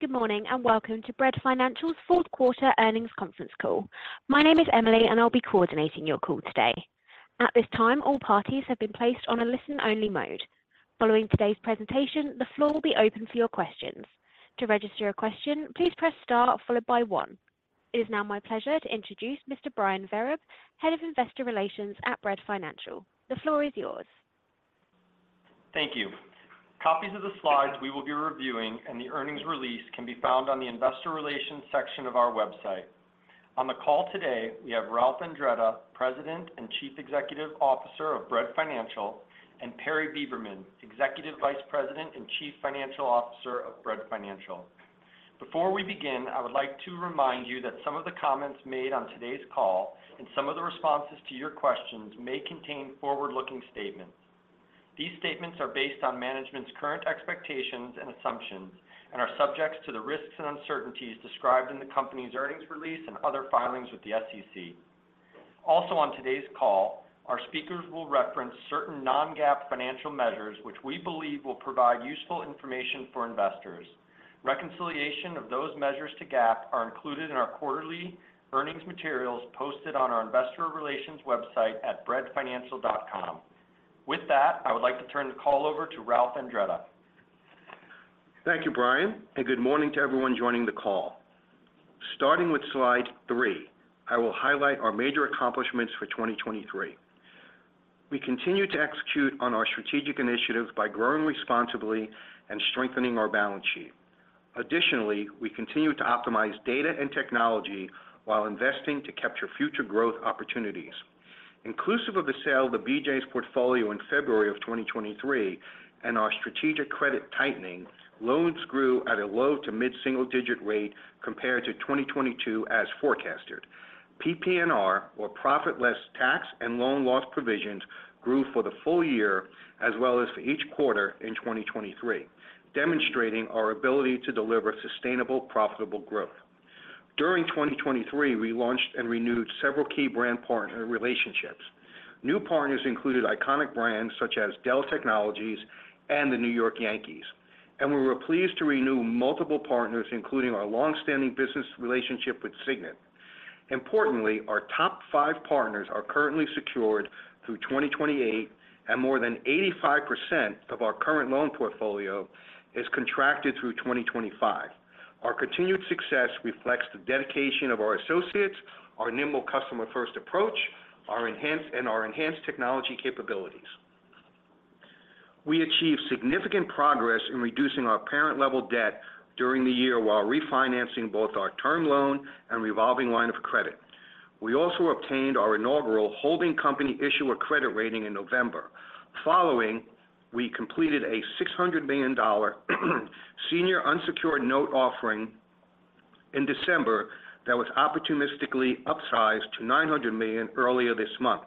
Good morning, and welcome to Bread Financial's fourth quarter earnings conference call. My name is Emily, and I'll be coordinating your call today. At this time, all parties have been placed on a listen-only mode. Following today's presentation, the floor will be open for your questions. To register a question, please press star followed by one. It is now my pleasure to introduce Mr. Brian Vereb, Head of Investor Relations at Bread Financial. The floor is yours. Thank you. Copies of the slides we will be reviewing and the earnings release can be found on the Investor Relations section of our website. On the call today, we have Ralph Andretta, President and Chief Executive Officer of Bread Financial, and Perry Beberman, Executive Vice President and Chief Financial Officer of Bread Financial. Before we begin, I would like to remind you that some of the comments made on today's call and some of the responses to your questions may contain forward-looking statements. These statements are based on management's current expectations and assumptions and are subject to the risks and uncertainties described in the company's earnings release and other filings with the SEC. Also, on today's call, our speakers will reference certain non-GAAP financial measures, which we believe will provide useful information for investors. Reconciliation of those measures to GAAP are included in our quarterly earnings materials posted on our investor relations website at breadfinancial.com. With that, I would like to turn the call over to Ralph Andretta. Thank you, Brian, and good morning to everyone joining the call. Starting with Slide 3, I will highlight our major accomplishments for 2023. We continued to execute on our strategic initiatives by growing responsibly and strengthening our balance sheet. Additionally, we continued to optimize data and technology while investing to capture future growth opportunities. Inclusive of the sale of the BJ's portfolio in February 2023 and our strategic credit tightening, loans grew at a low- to mid-single-digit rate compared to 2022 as forecasted. PPNR, or profit less tax and loan loss provisions, grew for the full year as well as for each quarter in 2023, demonstrating our ability to deliver sustainable, profitable growth. During 2023, we launched and renewed several key brand partner relationships. New partners included iconic brands such as Dell Technologies and the New York Yankees, and we were pleased to renew multiple partners, including our long-standing business relationship with Signet. Importantly, our top five partners are currently secured through 2028, and more than 85% of our current loan portfolio is contracted through 2025. Our continued success reflects the dedication of our associates, our nimble customer-first approach, our enhanced technology capabilities. We achieved significant progress in reducing our parent-level debt during the year while refinancing both our term loan and revolving line of credit. We also obtained our inaugural holding company issuer credit rating in November. Following, we completed a $600 million senior unsecured note offering in December that was opportunistically upsized to $900 million earlier this month.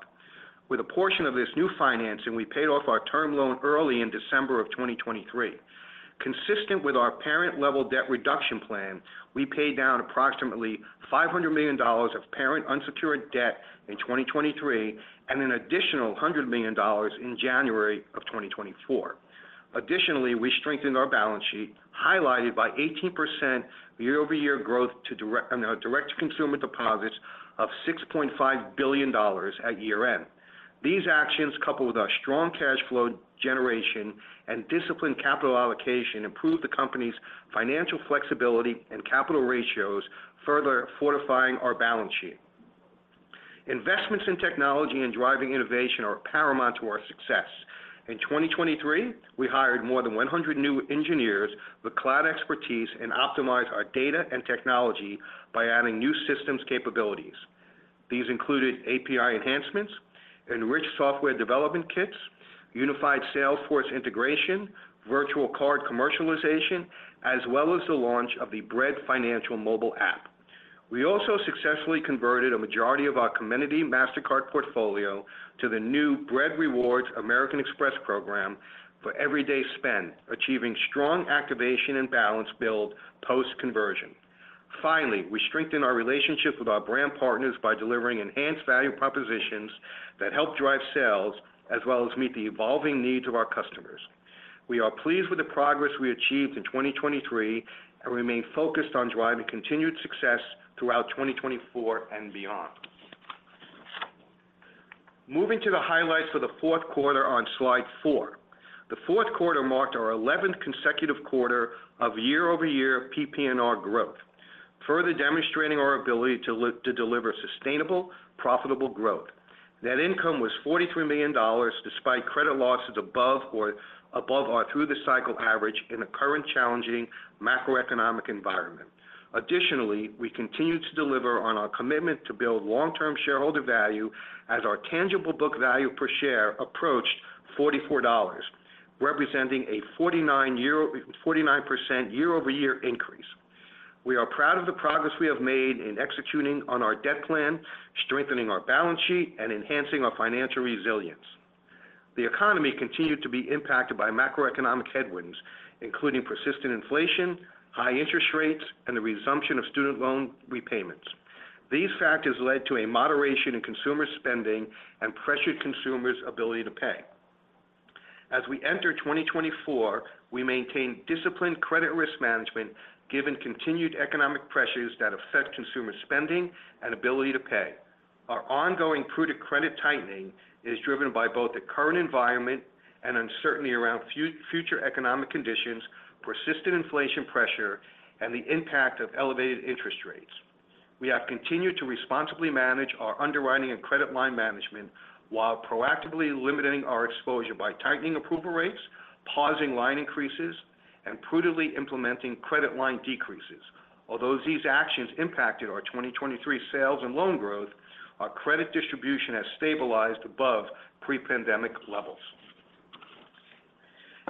With a portion of this new financing, we paid off our term loan early in December of 2023. Consistent with our parent-level debt reduction plan, we paid down approximately $500 million of parent unsecured debt in 2023 and an additional $100 million in January of 2024. Additionally, we strengthened our balance sheet, highlighted by 18% year-over-year growth to direct, direct-to-consumer deposits of $6.5 billion at year-end. These actions, coupled with our strong cash flow generation and disciplined capital allocation, improved the company's financial flexibility and capital ratios, further fortifying our balance sheet. Investments in technology and driving innovation are paramount to our success. In 2023, we hired more than 100 new engineers with cloud expertise and optimized our data and technology by adding new systems capabilities. These included API enhancements, enriched software development kits, unified Salesforce integration, virtual card commercialization, as well as the launch of the Bread Financial mobile app. We also successfully converted a majority of our Comenity Mastercard portfolio to the new Bread Rewards American Express program for everyday spend, achieving strong activation and balance build post-conversion. Finally, we strengthened our relationship with our brand partners by delivering enhanced value propositions that help drive sales as well as meet the evolving needs of our customers. We are pleased with the progress we achieved in 2023 and remain focused on driving continued success throughout 2024 and beyond. Moving to the highlights for the fourth quarter on Slide 4. The fourth quarter marked our 11th consecutive quarter of year-over-year PPNR growth, further demonstrating our ability to to deliver sustainable, profitable growth. Net income was $43 million, despite credit losses above or above our through-the-cycle average in the current challenging macroeconomic environment. Additionally, we continued to deliver on our commitment to build long-term shareholder value as our tangible book value per share approached $44, representing a 49% year-over-year increase. We are proud of the progress we have made in executing on our debt plan, strengthening our balance sheet, and enhancing our financial resilience. The economy continued to be impacted by macroeconomic headwinds, including persistent inflation, high interest rates, and the resumption of student loan repayments. These factors led to a moderation in consumer spending and pressured consumers' ability to pay. As we enter 2024, we maintain disciplined credit risk management, given continued economic pressures that affect consumer spending and ability to pay. Our ongoing prudent credit tightening is driven by both the current environment and uncertainty around future economic conditions, persistent inflation pressure, and the impact of elevated interest rates. We have continued to responsibly manage our underwriting and credit line management, while proactively limiting our exposure by tightening approval rates, pausing line increases, and prudently implementing credit line decreases. Although these actions impacted our 2023 sales and loan growth, our credit distribution has stabilized above pre-pandemic levels.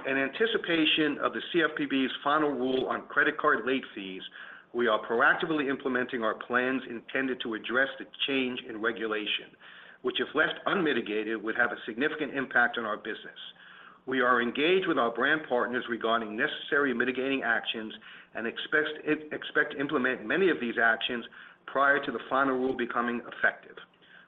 In anticipation of the CFPB's final rule on credit card late fees, we are proactively implementing our plans intended to address the change in regulation, which, if left unmitigated, would have a significant impact on our business. We are engaged with our brand partners regarding necessary mitigating actions and expect to implement many of these actions prior to the final rule becoming effective.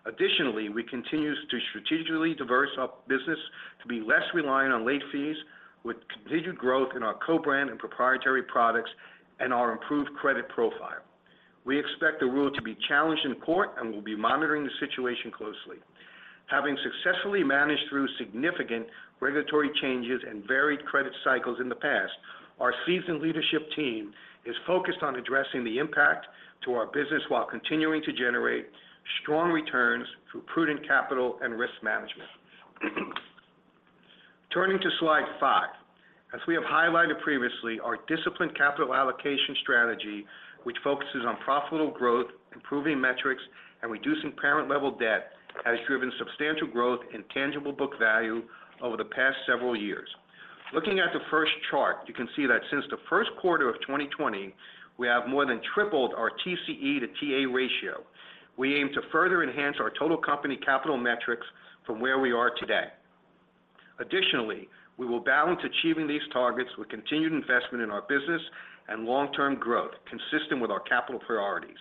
Additionally, we continue to strategically diversify our business to be less reliant on late fees, with continued growth in our co-brand and proprietary products and our improved credit profile. We expect the rule to be challenged in court, and we'll be monitoring the situation closely. Having successfully managed through significant regulatory changes and varied credit cycles in the past, our seasoned leadership team is focused on addressing the impact to our business while continuing to generate strong returns through prudent capital and risk management. Turning to Slide 5. As we have highlighted previously, our disciplined capital allocation strategy, which focuses on profitable growth, improving metrics, and reducing parent level debt, has driven substantial growth in tangible book value over the past several years. Looking at the first chart, you can see that since the first quarter of 2020, we have more than tripled our TCE to TA ratio. We aim to further enhance our total company capital metrics from where we are today. Additionally, we will balance achieving these targets with continued investment in our business and long-term growth, consistent with our capital priorities.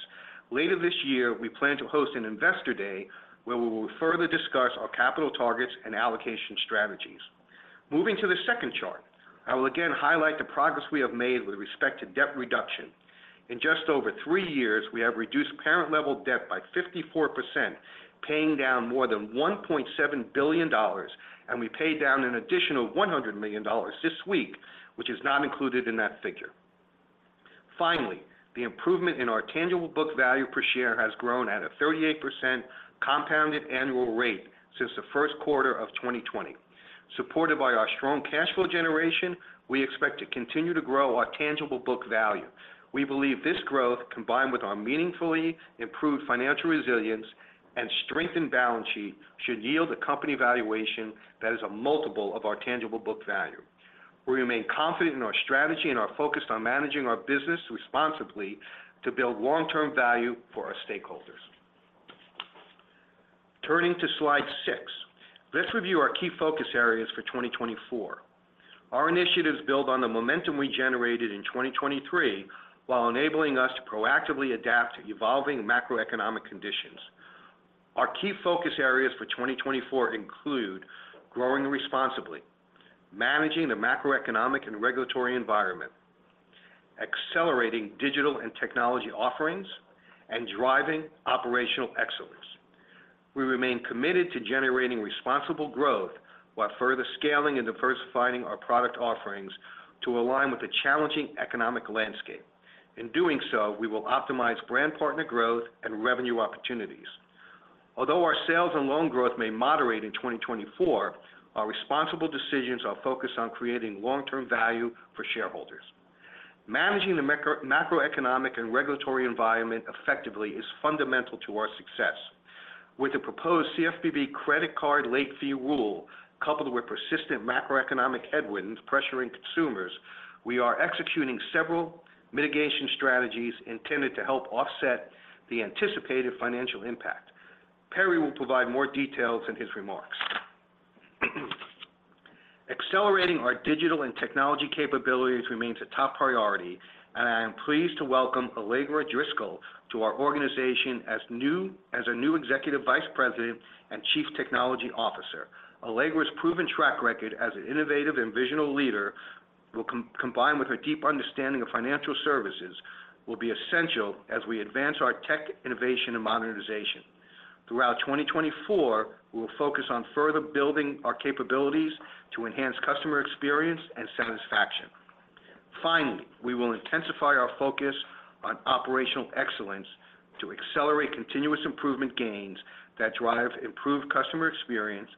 Later this year, we plan to host an Investor Day, where we will further discuss our capital targets and allocation strategies. Moving to the second chart, I will again highlight the progress we have made with respect to debt reduction. In just over three years, we have reduced parent level debt by 54%, paying down more than $1.7 billion, and we paid down an additional $100 million this week, which is not included in that figure. Finally, the improvement in our tangible book value per share has grown at a 38% compounded annual rate since the first quarter of 2020. Supported by our strong cash flow generation, we expect to continue to grow our tangible book value. We believe this growth, combined with our meaningfully improved financial resilience and strengthened balance sheet, should yield a company valuation that is a multiple of our tangible book value. We remain confident in our strategy and are focused on managing our business responsibly to build long-term value for our stakeholders. Turning to Slide 6, let's review our key focus areas for 2024. Our initiatives build on the momentum we generated in 2023, while enabling us to proactively adapt to evolving macroeconomic conditions. Our key focus areas for 2024 include: growing responsibly, managing the macroeconomic and regulatory environment, accelerating digital and technology offerings, and driving operational excellence. We remain committed to generating responsible growth while further scaling and diversifying our product offerings to align with the challenging economic landscape. In doing so, we will optimize brand partner growth and revenue opportunities. Although our sales and loan growth may moderate in 2024, our responsible decisions are focused on creating long-term value for shareholders. Managing the macroeconomic and regulatory environment effectively is fundamental to our success. With the proposed CFPB credit card late fee rule, coupled with persistent macroeconomic headwinds pressuring consumers, we are executing several mitigation strategies intended to help offset the anticipated financial impact. Perry will provide more details in his remarks. Accelerating our digital and technology capabilities remains a top priority, and I am pleased to welcome Allegra Driscoll to our organization as our new Executive Vice President and Chief Technology Officer. Allegra's proven track record as an innovative and visionary leader will combine with her deep understanding of financial services, will be essential as we advance our tech innovation and modernization. Throughout 2024, we will focus on further building our capabilities to enhance customer experience and satisfaction. Finally, we will intensify our focus on operational excellence to accelerate continuous improvement gains that drive improved customer experience,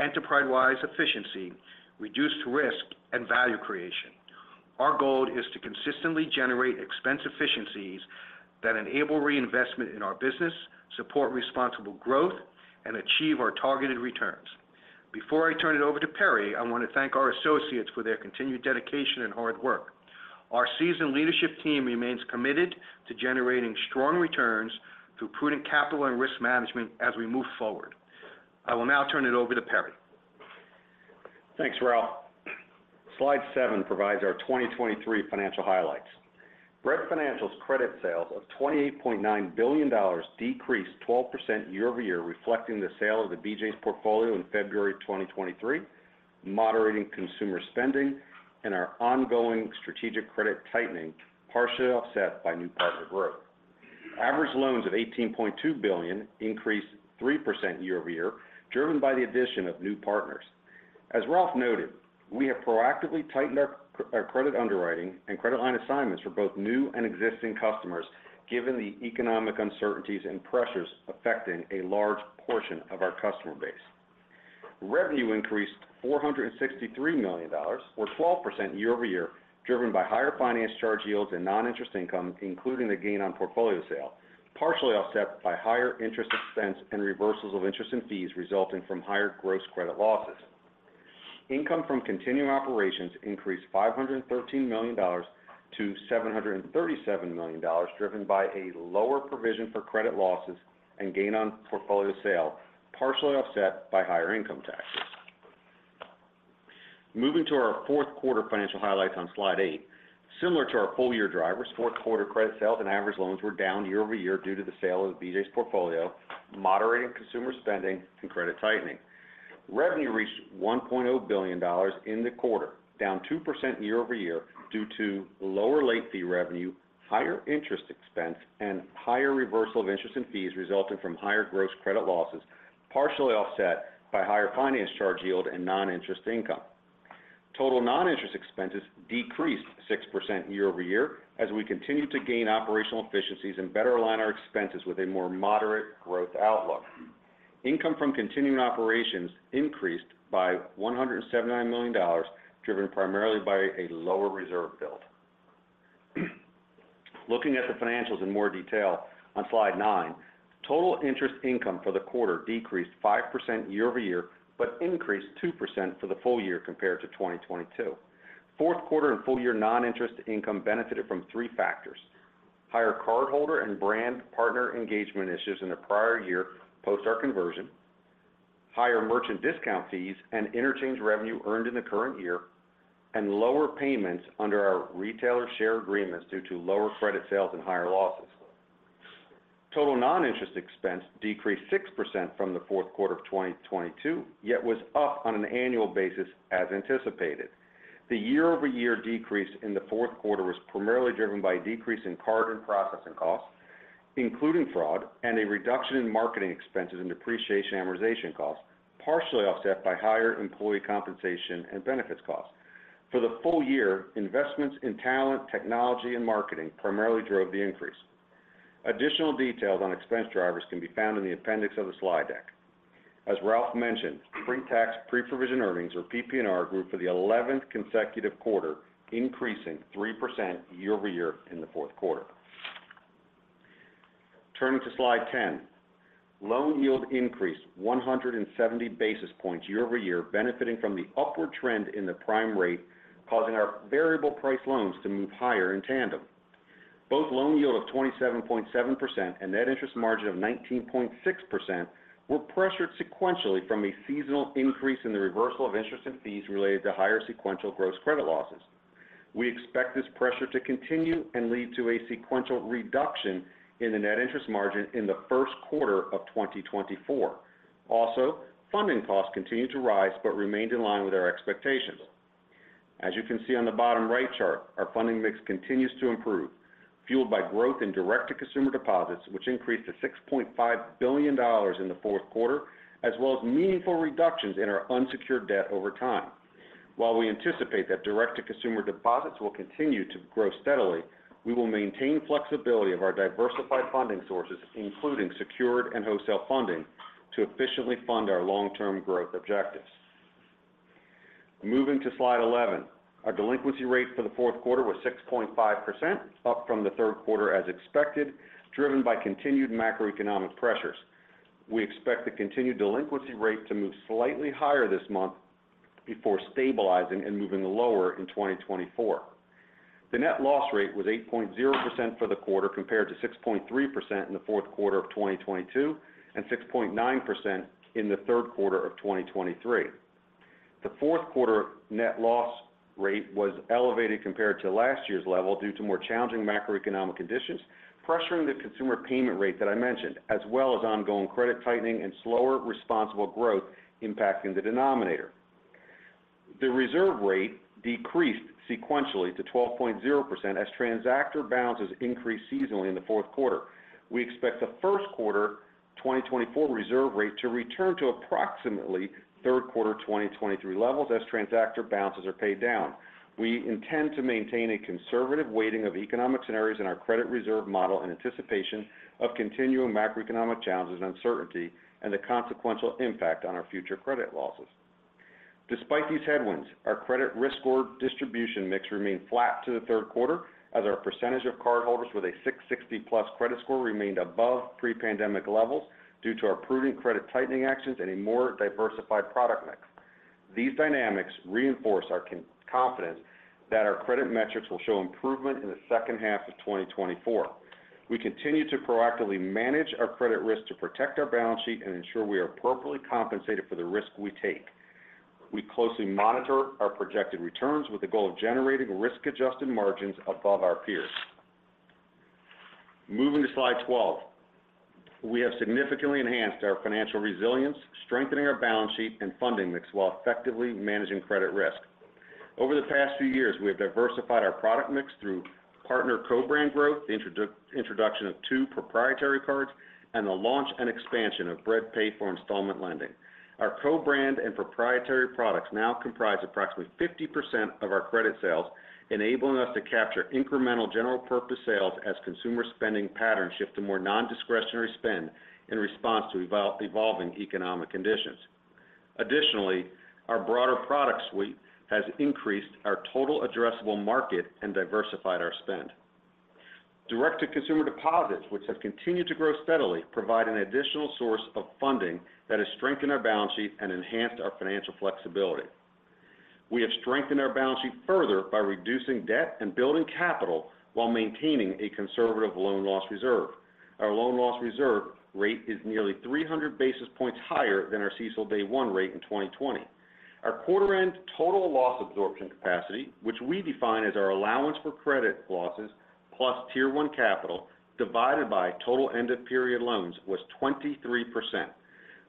enterprise-wide efficiency, reduced risk, and value creation. Our goal is to consistently generate expense efficiencies that enable reinvestment in our business, support responsible growth, and achieve our targeted returns. Before I turn it over to Perry, I want to thank our associates for their continued dedication and hard work. Our seasoned leadership team remains committed to generating strong returns through prudent capital and risk management as we move forward. I will now turn it over to Perry. Thanks, Ralph. Slide 7 provides our 2023 financial highlights. Bread Financial's credit sales of $28.9 billion decreased 12% year-over-year, reflecting the sale of the BJ's portfolio in February 2023, moderating consumer spending and our ongoing strategic credit tightening, partially offset by new partner growth. Average loans of $18.2 billion increased 3% year-over-year, driven by the addition of new partners. As Ralph noted, we have proactively tightened up our credit underwriting and credit line assignments for both new and existing customers, given the economic uncertainties and pressures affecting a large portion of our customer base. Revenue increased $463 million or 12% year-over-year, driven by higher finance charge yields and non-interest income, including the gain on portfolio sale, partially offset by higher interest expense and reversals of interest and fees resulting from higher gross credit losses. Income from continuing operations increased $513 million to $737 million, driven by a lower provision for credit losses and gain on portfolio sale, partially offset by higher income taxes. Moving to our fourth quarter financial highlights on Slide 8. Similar to our full-year drivers, fourth quarter credit sales and average loans were down year-over-year due to the sale of the BJ's portfolio, moderating consumer spending and credit tightening. Revenue reached $1.0 billion in the quarter, down 2% year-over-year, due to lower late fee revenue, higher interest expense, and higher reversal of interest and fees resulting from higher gross credit losses, partially offset by higher finance charge yield and non-interest income. Total non-interest expenses decreased 6% year-over-year, as we continued to gain operational efficiencies and better align our expenses with a more moderate growth outlook. Income from continuing operations increased by $179 million, driven primarily by a lower reserve build. Looking at the financials in more detail on Slide 9, total interest income for the quarter decreased 5% year-over-year, but increased 2% for the full year compared to 2022. Fourth quarter and full-year non-interest income benefited from 3 factors: higher cardholder and brand partner engagement initiatives in the prior year post our conversion, higher merchant discount fees and interchange revenue earned in the current year, and lower payments under our retailer share agreements due to lower credit sales and higher losses. Total non-interest expense decreased 6% from the fourth quarter of 2022, yet was up on an annual basis as anticipated. The year-over-year decrease in the fourth quarter was primarily driven by a decrease in card and processing costs, including fraud and a reduction in marketing expenses and depreciation amortization costs, partially offset by higher employee compensation and benefits costs. For the full year, investments in talent, technology, and marketing primarily drove the increase. Additional details on expense drivers can be found in the appendix of the slide deck. As Ralph mentioned, pre-tax, pre-provision earnings, or PPNR, grew for the 11th consecutive quarter, increasing 3% year-over-year in the fourth quarter. Turning to Slide 10, loan yield increased 170 basis points year-over-year, benefiting from the upward trend in the prime rate, causing our variable price loans to move higher in tandem. Both loan yield of 27.7% and net interest margin of 19.6% were pressured sequentially from a seasonal increase in the reversal of interest and fees related to higher sequential gross credit losses. We expect this pressure to continue and lead to a sequential reduction in the net interest margin in the first quarter of 2024. Also, funding costs continued to rise but remained in line with our expectations. As you can see on the bottom right chart, our funding mix continues to improve, fueled by growth in direct-to-consumer deposits, which increased to $6.5 billion in the fourth quarter, as well as meaningful reductions in our unsecured debt over time. While we anticipate that direct-to-consumer deposits will continue to grow steadily, we will maintain flexibility of our diversified funding sources, including secured and wholesale funding, to efficiently fund our long-term growth objectives. Moving to Slide 11, our delinquency rate for the fourth quarter was 6.5%, up from the third quarter as expected, driven by continued macroeconomic pressures. We expect the continued delinquency rate to move slightly higher this month before stabilizing and moving lower in 2024. The net loss rate was 8.0% for the quarter, compared to 6.3% in the fourth quarter of 2022, and 6.9% in the third quarter of 2023. The fourth quarter net loss rate was elevated compared to last year's level due to more challenging macroeconomic conditions, pressuring the consumer payment rate that I mentioned, as well as ongoing credit tightening and slower, responsible growth impacting the denominator. The reserve rate decreased sequentially to 12.0% as transactor balances increased seasonally in the fourth quarter. We expect the first quarter 2024 reserve rate to return to approximately third quarter 2023 levels as transactor balances are paid down. We intend to maintain a conservative weighting of economic scenarios in our credit reserve model in anticipation of continuing macroeconomic challenges and uncertainty, and the consequential impact on our future credit losses. Despite these headwinds, our credit risk score distribution mix remained flat to the third quarter, as our percentage of cardholders with a 660+ credit score remained above pre-pandemic levels due to our prudent credit tightening actions and a more diversified product mix. These dynamics reinforce our confidence that our credit metrics will show improvement in the second half of 2024. We continue to proactively manage our credit risk to protect our balance sheet and ensure we are appropriately compensated for the risk we take. We closely monitor our projected returns with the goal of generating risk-adjusted margins above our peers. Moving to Slide 12. We have significantly enhanced our financial resilience, strengthening our balance sheet and funding mix while effectively managing credit risk. Over the past few years, we have diversified our product mix through partner co-brand growth, introduction of two proprietary cards, and the launch and expansion of Bread Pay for installment lending. Our co-brand and proprietary products now comprise approximately 50% of our credit sales, enabling us to capture incremental general purpose sales as consumer spending patterns shift to more non-discretionary spend in response to evolving economic conditions. Additionally, our broader product suite has increased our total addressable market and diversified our spend. Direct-to-consumer deposits, which have continued to grow steadily, provide an additional source of funding that has strengthened our balance sheet and enhanced our financial flexibility. We have strengthened our balance sheet further by reducing debt and building capital while maintaining a conservative loan loss reserve. Our loan loss reserve rate is nearly 300 basis points higher than our CECL Day One rate in 2020. Our quarter-end total loss absorption capacity, which we define as our allowance for credit losses plus Tier 1 capital divided by total end-of-period loans, was 23%,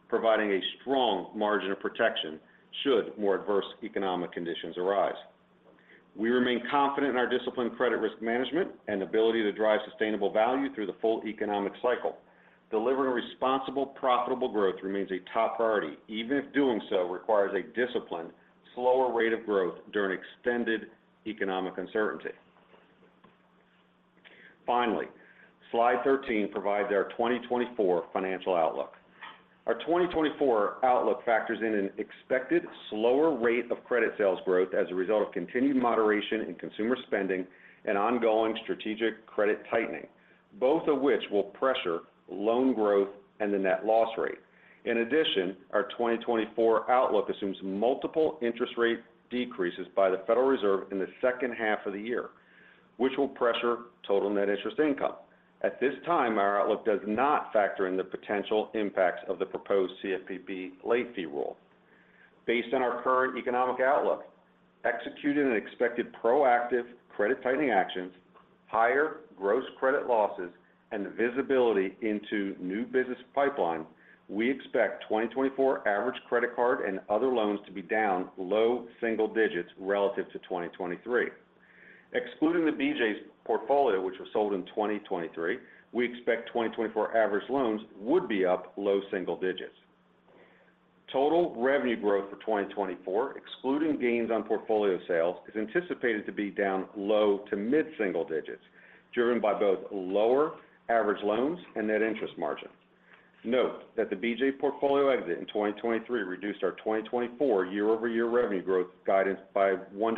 providing a strong margin of protection should more adverse economic conditions arise. We remain confident in our disciplined credit risk management and ability to drive sustainable value through the full economic cycle. Delivering responsible, profitable growth remains a top priority, even if doing so requires a disciplined, slower rate of growth during extended economic uncertainty. Finally, Slide 13 provides our 2024 financial outlook. Our 2024 outlook factors in an expected slower rate of credit sales growth as a result of continued moderation in consumer spending and ongoing strategic credit tightening, both of which will pressure loan growth and the net loss rate. In addition, our 2024 outlook assumes multiple interest rate decreases by the Federal Reserve in the second half of the year, which will pressure total net interest income. At this time, our outlook does not factor in the potential impacts of the proposed CFPB late fee rule. Based on our current economic outlook, executed and expected proactive credit tightening actions, higher gross credit losses, and the visibility into new business pipeline, we expect 2024 average credit card and other loans to be down low single digits relative to 2023. Excluding the BJ's portfolio, which was sold in 2023, we expect 2024 average loans would be up low single digits. Total revenue growth for 2024, excluding gains on portfolio sales, is anticipated to be down low to mid-single digits, driven by both lower average loans and net interest margins. Note that the BJ's portfolio exit in 2023 reduced our 2024 year-over-year revenue growth guidance by 1%-2%.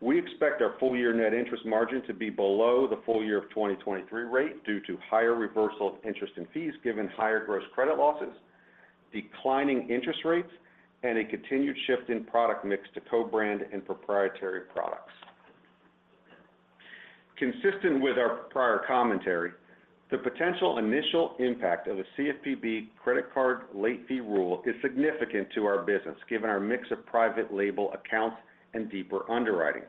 We expect our full-year net interest margin to be below the full year of 2023 rate due to higher reversal of interest and fees given higher gross credit losses, declining interest rates, and a continued shift in product mix to co-brand and proprietary products. Consistent with our prior commentary, the potential initial impact of a CFPB credit card late fee rule is significant to our business, given our mix of private label accounts and deeper underwriting.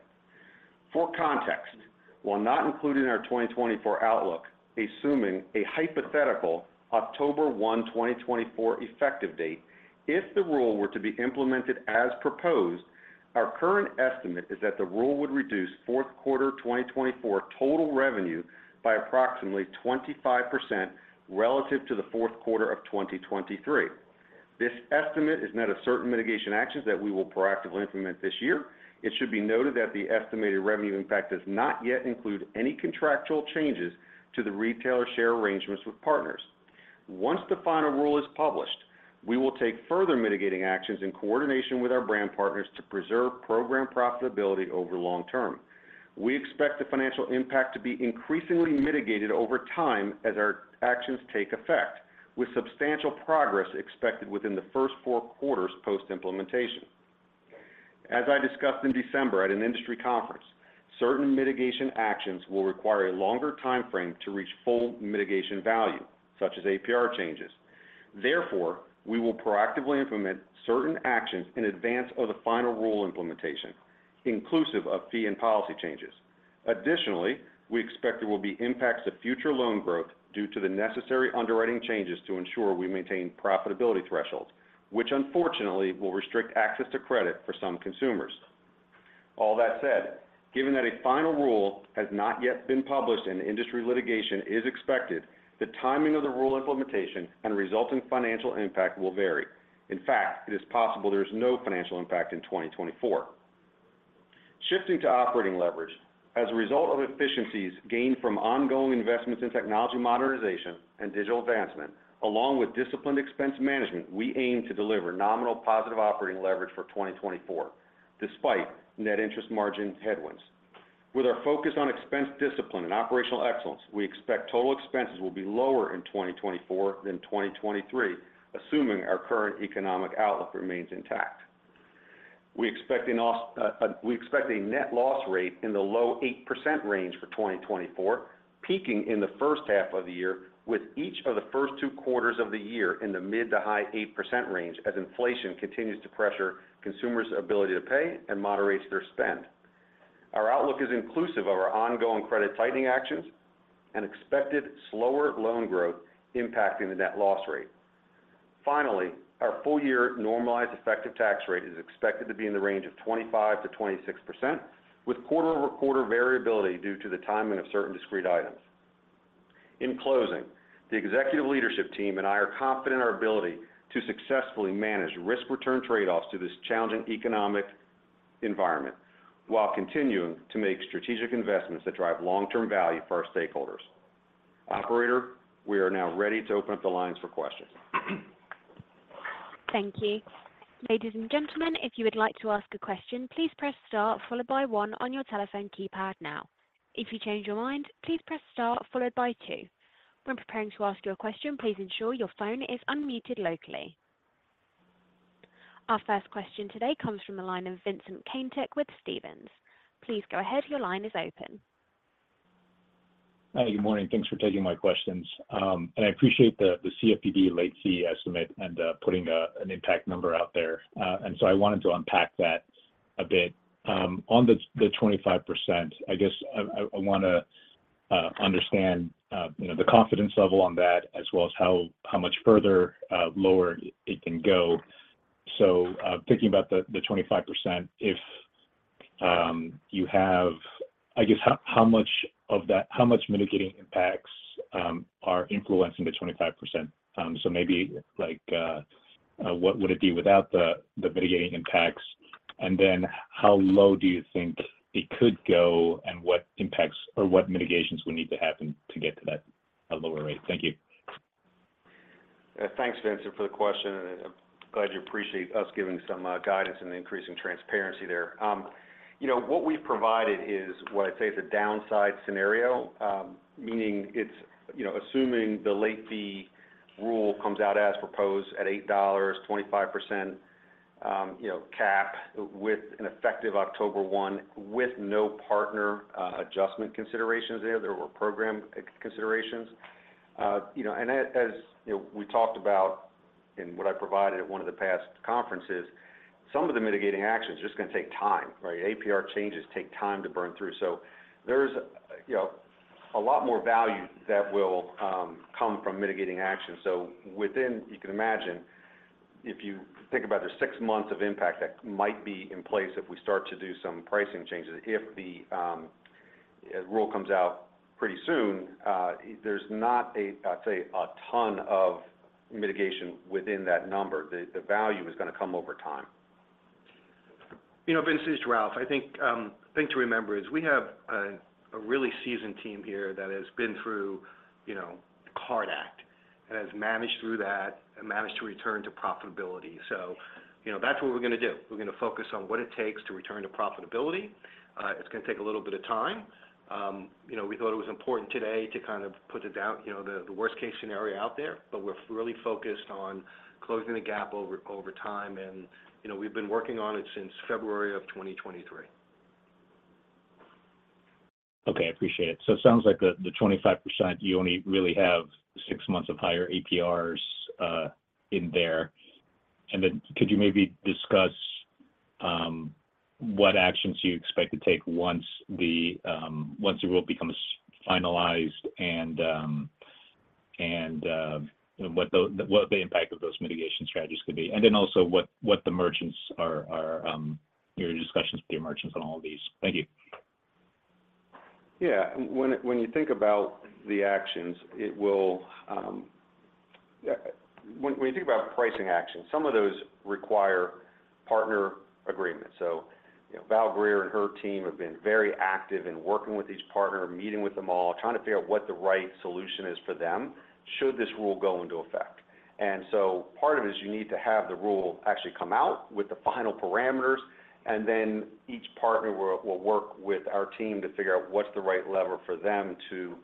For context, while not included in our 2024 outlook, assuming a hypothetical October 1, 2024, effective date, if the rule were to be implemented as proposed, our current estimate is that the rule would reduce fourth quarter 2024 total revenue by approximately 25% relative to the fourth quarter of 2023. This estimate is net of certain mitigation actions that we will proactively implement this year. It should be noted that the estimated revenue impact does not yet include any contractual changes to the retailer share arrangements with partners. Once the final rule is published, we will take further mitigating actions in coordination with our brand partners to preserve program profitability over long term. We expect the financial impact to be increasingly mitigated over time as our actions take effect, with substantial progress expected within the first four quarters post-implementation. As I discussed in December at an industry conference, certain mitigation actions will require a longer timeframe to reach full mitigation value, such as APR changes. Therefore, we will proactively implement certain actions in advance of the final rule implementation, inclusive of fee and policy changes. Additionally, we expect there will be impacts to future loan growth due to the necessary underwriting changes to ensure we maintain profitability thresholds, which unfortunately will restrict access to credit for some consumers. All that said, given that a final rule has not yet been published and industry litigation is expected, the timing of the rule implementation and resulting financial impact will vary. In fact, it is possible there is no financial impact in 2024. Shifting to operating leverage. As a result of efficiencies gained from ongoing investments in technology modernization and digital advancement, along with disciplined expense management, we aim to deliver nominal positive operating leverage for 2024, despite net interest margin headwinds. With our focus on expense discipline and operational excellence, we expect total expenses will be lower in 2024 than 2023, assuming our current economic outlook remains intact. We expect a net loss rate in the low 8% range for 2024, peaking in the first half of the year, with each of the first two quarters of the year in the mid- to high 8% range as inflation continues to pressure consumers' ability to pay and moderates their spend. Our outlook is inclusive of our ongoing credit tightening actions and expected slower loan growth impacting the net loss rate. Finally, our full-year normalized effective tax rate is expected to be in the range of 25%-26%, with quarter-over-quarter variability due to the timing of certain discrete items. In closing, the executive leadership team and I are confident in our ability to successfully manage risk-return trade-offs to this challenging economic environment, while continuing to make strategic investments that drive long-term value for our stakeholders. Operator, we are now ready to open up the lines for questions. Thank you. Ladies and gentlemen, if you would like to ask a question, please press star followed by one on your telephone keypad now. If you change your mind, please press star followed by two. When preparing to ask your question, please ensure your phone is unmuted locally. Our first question today comes from the line of Vincent Caintic with Stephens. Please go ahead. Your line is open. Hi. Good morning. Thanks for taking my questions. And I appreciate the CFPB late fee estimate and putting an impact number out there. And so I wanted to unpack that a bit. On the 25%, I guess I want to understand, you know, the confidence level on that, as well as how much further lower it can go. So, thinking about the 25%, if you have, I guess how much of that - how much mitigating impacts are influencing the 25%? So maybe like, what would it be without the mitigating impacts? And then how low do you think it could go, and what impacts or what mitigations would need to happen to get to that lower rate? Thank you. Thanks, Vincent, for the question. I'm glad you appreciate us giving some guidance and increasing transparency there. You know, what we've provided is what I'd say is a downside scenario, meaning it's, you know, assuming the late fee rule comes out as proposed at $8, 25% cap, with an effective October 1, with no partner adjustment considerations there. There were program considerations. You know, and as, you know, we talked about in what I provided at one of the past conferences, some of the mitigating actions are just going to take time, right? APR changes take time to burn through. So there's, you know, a lot more value that will come from mitigating actions. So within, you can imagine, if you think about the six months of impact that might be in place if we start to do some pricing changes. If the rule comes out pretty soon, there's not a, I'd say, a ton of mitigation within that number. The value is going to come over time. You know, Vincent, it's Ralph. I think the thing to remember is we have a really seasoned team here that has been through, you know, CARD Act and has managed through that and managed to return to profitability. So, you know, that's what we're going to do. We're going to focus on what it takes to return to profitability. It's going to take a little bit of time. You know, we thought it was important today to kind of put it out, you know, the worst-case scenario out there, but we're really focused on closing the gap over time. And, you know, we've been working on it since February of 2023. Okay, I appreciate it. So it sounds like the 25%, you only really have six months of higher APRs in there. And then could you maybe discuss what actions you expect to take once the rule becomes finalized and what the impact of those mitigation strategies could be? And then also what the merchants are, your discussions with the merchants on all of these? Thank you. Yeah, when you think about pricing actions, some of those require partner agreement. So, you know, Val Greer and her team have been very active in working with each partner, meeting with them all, trying to figure out what the right solution is for them should this rule go into effect. And so part of it is you need to have the rule actually come out with the final parameters, and then each partner will work with our team to figure out what's the right lever for them to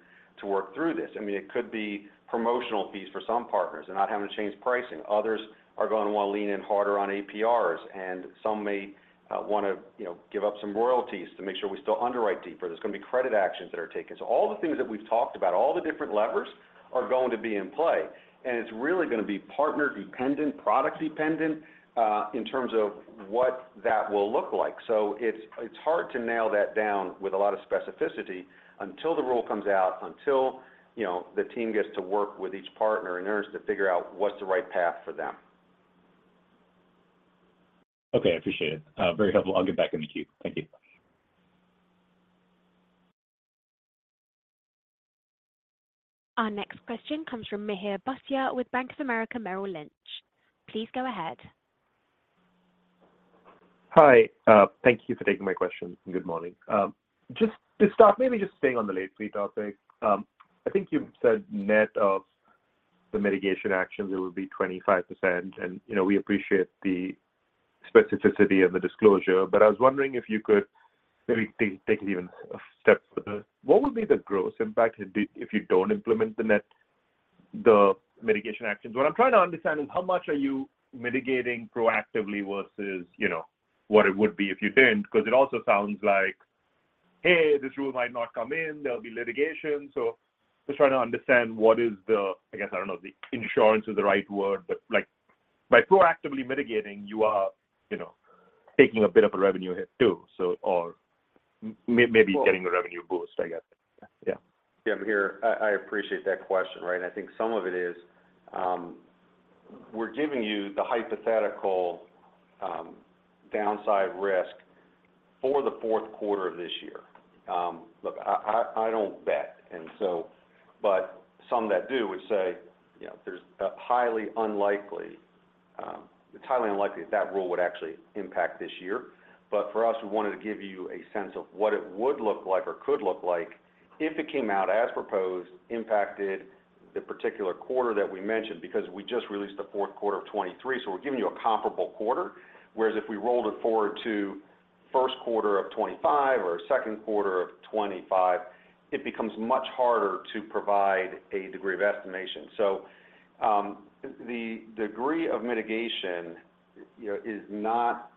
work through this. I mean, it could be promotional fees for some partners and not having to change pricing. Others are going to want to lean in harder on APRs, and some may want to, you know, give up some royalties to make sure we still underwrite deeper. There's going to be credit actions that are taken. So all the things that we've talked about, all the different levers are going to be in play, and it's really going to be partner-dependent, product-dependent in terms of what that will look like. So it's hard to nail that down with a lot of specificity until the rule comes out, until, you know, the team gets to work with each partner in order to figure out what's the right path for them. Okay, I appreciate it. Very helpful. I'll get back in the queue. Thank you. Our next question comes from Mihir Bhatia with Bank of America Merrill Lynch. Please go ahead. Hi, thank you for taking my question, and good morning. Just to start, maybe just staying on the late fee topic, I think you've said net of the mitigation actions, it will be 25%, and, you know, we appreciate the specificity of the disclosure. But I was wondering if you could maybe take it even a step further. What would be the gross impact if you don't implement the net? The mitigation actions. What I'm trying to understand is how much are you mitigating proactively versus, you know, what it would be if you didn't? Because it also sounds like, "Hey, this rule might not come in. There'll be litigation." So just trying to understand what is the, I guess, I don't know if the insurance is the right word, but like, by proactively mitigating, you are, you know, taking a bit of a revenue hit, too. So, or maybe- Well- Getting a revenue boost, I guess. Yeah. Yeah, I'm here. I appreciate that question, right? And I think some of it is, we're giving you the hypothetical downside risk for the fourth quarter of this year. Look, I don't bet, and so—but some that do would say, you know, there's a highly unlikely it's highly unlikely that that rule would actually impact this year. But for us, we wanted to give you a sense of what it would look like or could look like if it came out as proposed, impacted the particular quarter that we mentioned, because we just released the fourth quarter of 2023. So we're giving you a comparable quarter, whereas if we rolled it forward to first quarter of 2025 or second quarter of 2025, it becomes much harder to provide a degree of estimation. So, the degree of mitigation, you know, is not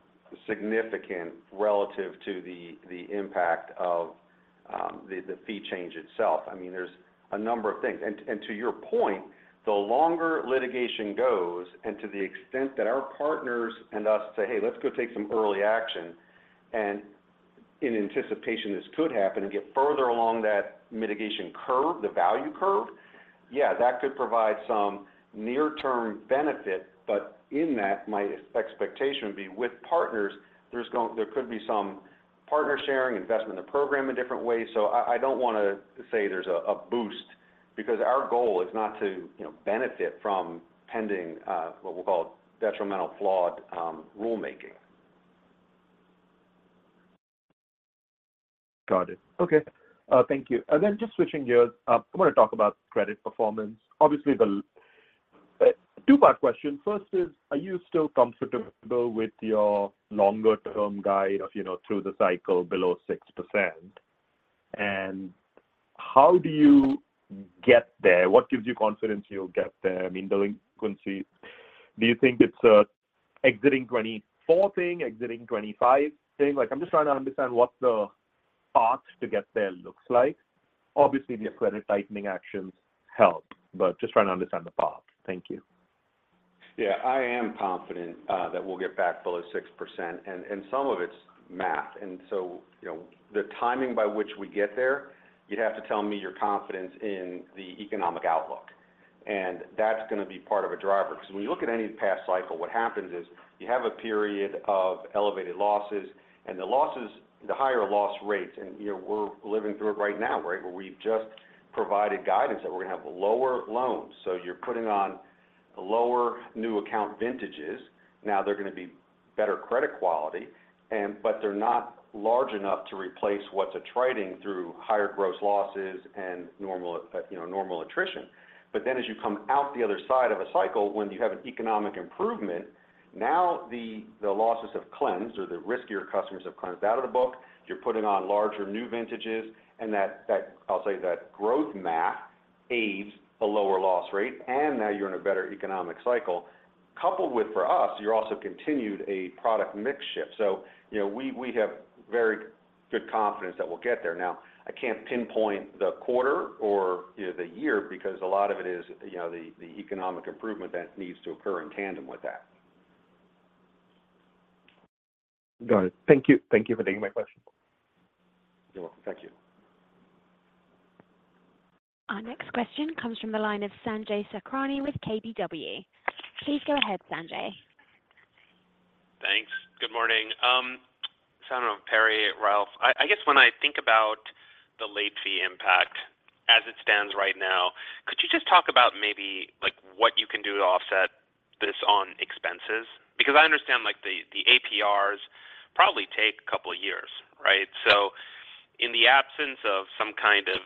significant relative to the impact of the fee change itself. I mean, there's a number of things. And to your point, the longer litigation goes, and to the extent that our partners and us say, "Hey, let's go take some early action," and in anticipation, this could happen and get further along that mitigation curve, the value curve, yeah, that could provide some near-term benefit, but in that, my expectation would be with partners, there could be some partner sharing, investment in the program in different ways. So I don't want to say there's a boost because our goal is not to, you know, benefit from pending, what we'll call detrimental, flawed rulemaking. Got it. Okay. Thank you. And then just switching gears, I want to talk about credit performance. Obviously, two-part question. First is, are you still comfortable with your longer-term guide of, you know, through the cycle below 6%? And how do you get there? What gives you confidence you'll get there? I mean, delinquency, do you think it's an exiting 2024 thing, exiting 2025 thing? Like, I'm just trying to understand what the path to get there looks like. Obviously, your credit tightening actions help, but just trying to understand the path. Thank you. Yeah, I am confident that we'll get back below 6%, and, and some of it's math. And so, you know, the timing by which we get there, you'd have to tell me your confidence in the economic outlook, and that's going to be part of a driver. Because when you look at any past cycle, what happens is you have a period of elevated losses, and the losses, the higher loss rates, and, you know, we're living through it right now, right? Where we've just provided guidance that we're going to have lower loans. So you're putting on lower new account vintages. Now, they're going to be better credit quality, and, but they're not large enough to replace what's attriting through higher gross losses and normal, you know, normal attrition. But then as you come out the other side of a cycle, when you have an economic improvement, now the losses have cleansed or the riskier customers have cleansed out of the book. You're putting on larger new vintages, and that, I'll tell you, that growth math aids a lower loss rate, and now you're in a better economic cycle. Coupled with, for us, you're also continued a product mix shift. So you know, we have very good confidence that we'll get there. Now, I can't pinpoint the quarter or, you know, the year because a lot of it is, you know, the economic improvement that needs to occur in tandem with that. Got it. Thank you. Thank you for taking my question. You're welcome. Thank you. Our next question comes from the line of Sanjay Sakhrani with KBW. Please go ahead, Sanjay. Thanks. Good morning. So I don't know, Perry, Ralph, I guess when I think about the late fee impact as it stands right now, could you just talk about maybe, like, what you can do to offset this on expenses? Because I understand, like, the APRs probably take a couple of years, right? So in the absence of some kind of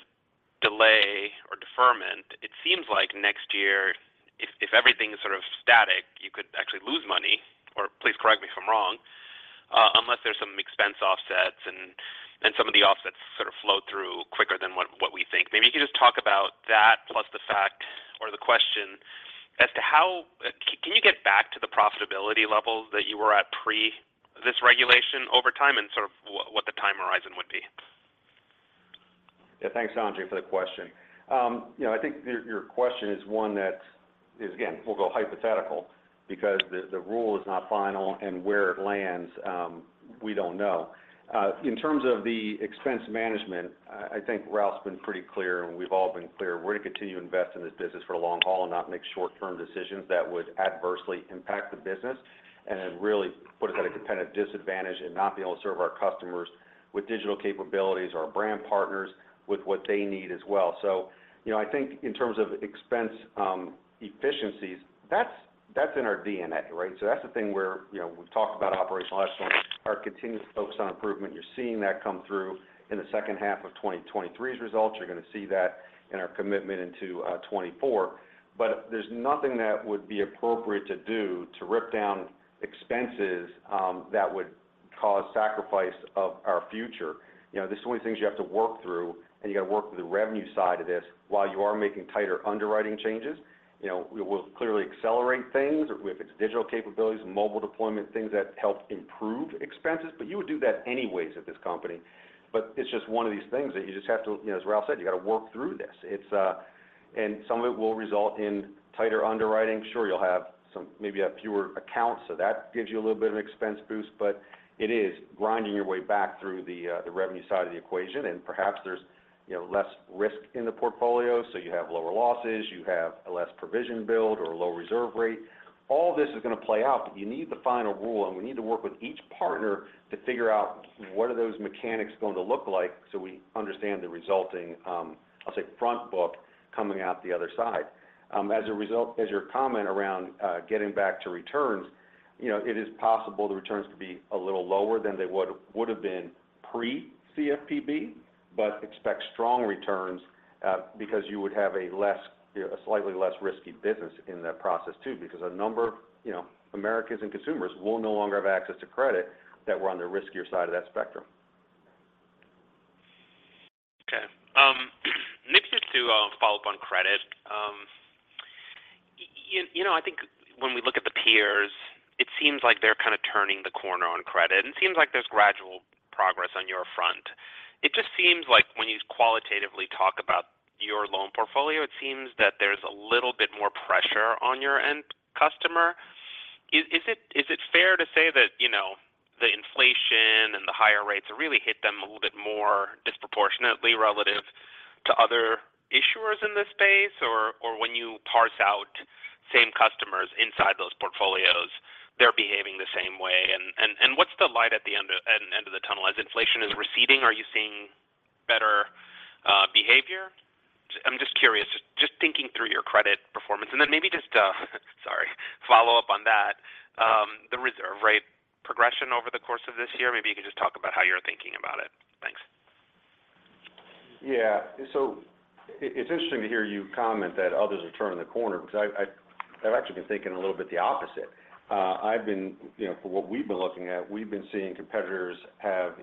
delay or deferment, it seems like next year, if everything is sort of static, you could actually lose money, or please correct me if I'm wrong, unless there's some expense offsets and some of the offsets sort of flow through quicker than what we think. Maybe you could just talk about that, plus the fact or the question as to how—can you get back to the profitability levels that you were at pre this regulation over time, and sort of what, what the time horizon would be? Yeah. Thanks, Sanjay, for the question. You know, I think your, your question is one that is, again, we'll go hypothetical because the, the rule is not final, and where it lands, we don't know. In terms of the expense management, I think Ralph's been pretty clear, and we've all been clear. We're going to continue to invest in this business for the long haul and not make short-term decisions that would adversely impact the business and then really put us at a competitive disadvantage and not be able to serve our customers with digital capabilities or our brand partners with what they need as well. So, you know, I think in terms of expense, efficiencies, that's, that's in our DNA, right? So that's the thing where, you know, we've talked about operational excellence, our continuous focus on improvement. You're seeing that come through in the second half of 2023's results. You're going to see that in our commitment into 2024. But there's nothing that would be appropriate to do to rip down expenses that would cause sacrifice of our future. You know, this is one of the things you have to work through, and you got to work with the revenue side of this while you are making tighter underwriting changes. You know, we will clearly accelerate things with its digital capabilities and mobile deployment, things that help improve expenses, but you would do that anyways at this company. But it's just one of these things that you just have to, you know, as Ralph said, you got to work through this. It's, and some of it will result in tighter underwriting. Sure, you'll have some maybe have fewer accounts, so that gives you a little bit of an expense boost, but it is grinding your way back through the the revenue side of the equation, and perhaps there's, you know, less risk in the portfolio, so you have lower losses, you have a less provision build or a low reserve rate. All this is going to play out, but you need the final rule, and we need to work with each partner to figure out what are those mechanics going to look like, so we understand the resulting, I'll say, front book coming out the other side. As a result, as your comment around getting back to returns, you know, it is possible the returns could be a little lower than they would have been pre-CFPB, but expect strong returns, because you would have a less, you know, a slightly less risky business in that process, too. Because a number, you know, Americans and consumers will no longer have access to credit that were on the riskier side of that spectrum. Okay. Next, just to follow up on credit. You know, I think when we look at the peers, it seems like they're kind of turning the corner on credit, and it seems like there's gradual progress on your front. It just seems like when you qualitatively talk about your loan portfolio, it seems that there's a little bit more pressure on your end customer. Is it fair to say that, you know, the inflation and the higher rates have really hit them a little bit more disproportionately relative to other issuers in this space? Or when you parse out same customers inside those portfolios, they're behaving the same way. And what's the light at the end of the tunnel? As inflation is receding, are you seeing better behavior? I'm just curious, just thinking through your credit performance. And then maybe just to, sorry, follow up on that, the reserve rate progression over the course of this year. Maybe you could just talk about how you're thinking about it. Thanks. Yeah. So it's interesting to hear you comment that others are turning the corner because I, I've actually been thinking a little bit the opposite. I've been. You know, from what we've been looking at, we've been seeing competitors have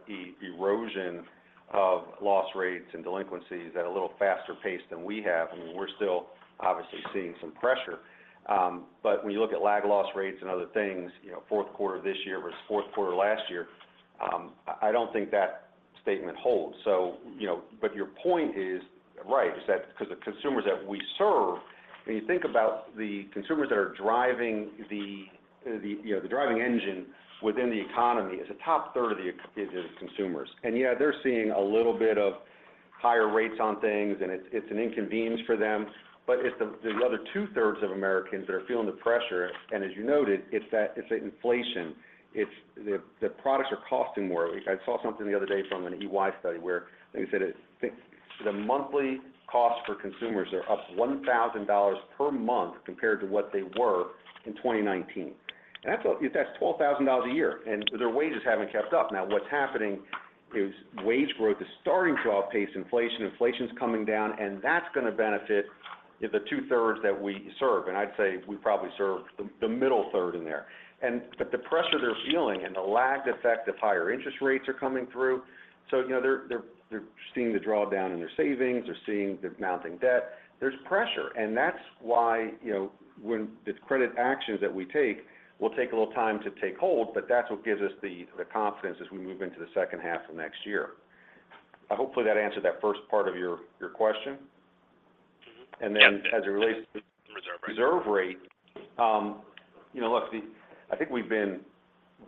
erosion of loss rates and delinquencies at a little faster pace than we have. I mean, we're still obviously seeing some pressure. But when you look at lag loss rates and other things, you know, fourth quarter this year versus fourth quarter last year, I don't think that statement holds. So, you know, but your point is right. Is that because the consumers that we serve, when you think about the consumers that are driving the, you know, the driving engine within the economy, is the top third of the consumers? Yeah, they're seeing a little bit of higher rates on things, and it's an inconvenience for them, but it's the other two-thirds of Americans that are feeling the pressure, and as you noted, it's that—it's the inflation, it's the products are costing more. I saw something the other day from an EY study where they said, I think, the monthly cost for consumers are up $1,000 per month compared to what they were in 2019. And that's—that's $12,000 a year, and their wages haven't kept up. Now, what's happening is wage growth is starting to outpace inflation. Inflation is coming down, and that's going to benefit the two-thirds that we serve. And I'd say we probably serve the middle third in there. But the pressure they're feeling and the lag effect of higher interest rates are coming through, so you know, they're seeing the drawdown in their savings. They're seeing the mounting debt. There's pressure, and that's why, you know, when the credit actions that we take will take a little time to take hold, but that's what gives us the confidence as we move into the second half of next year. Hopefully, that answered that first part of your question. Mm-hmm. Yep. And then as it relates to The reserve rate Reserve rate, you know, look, I think we've been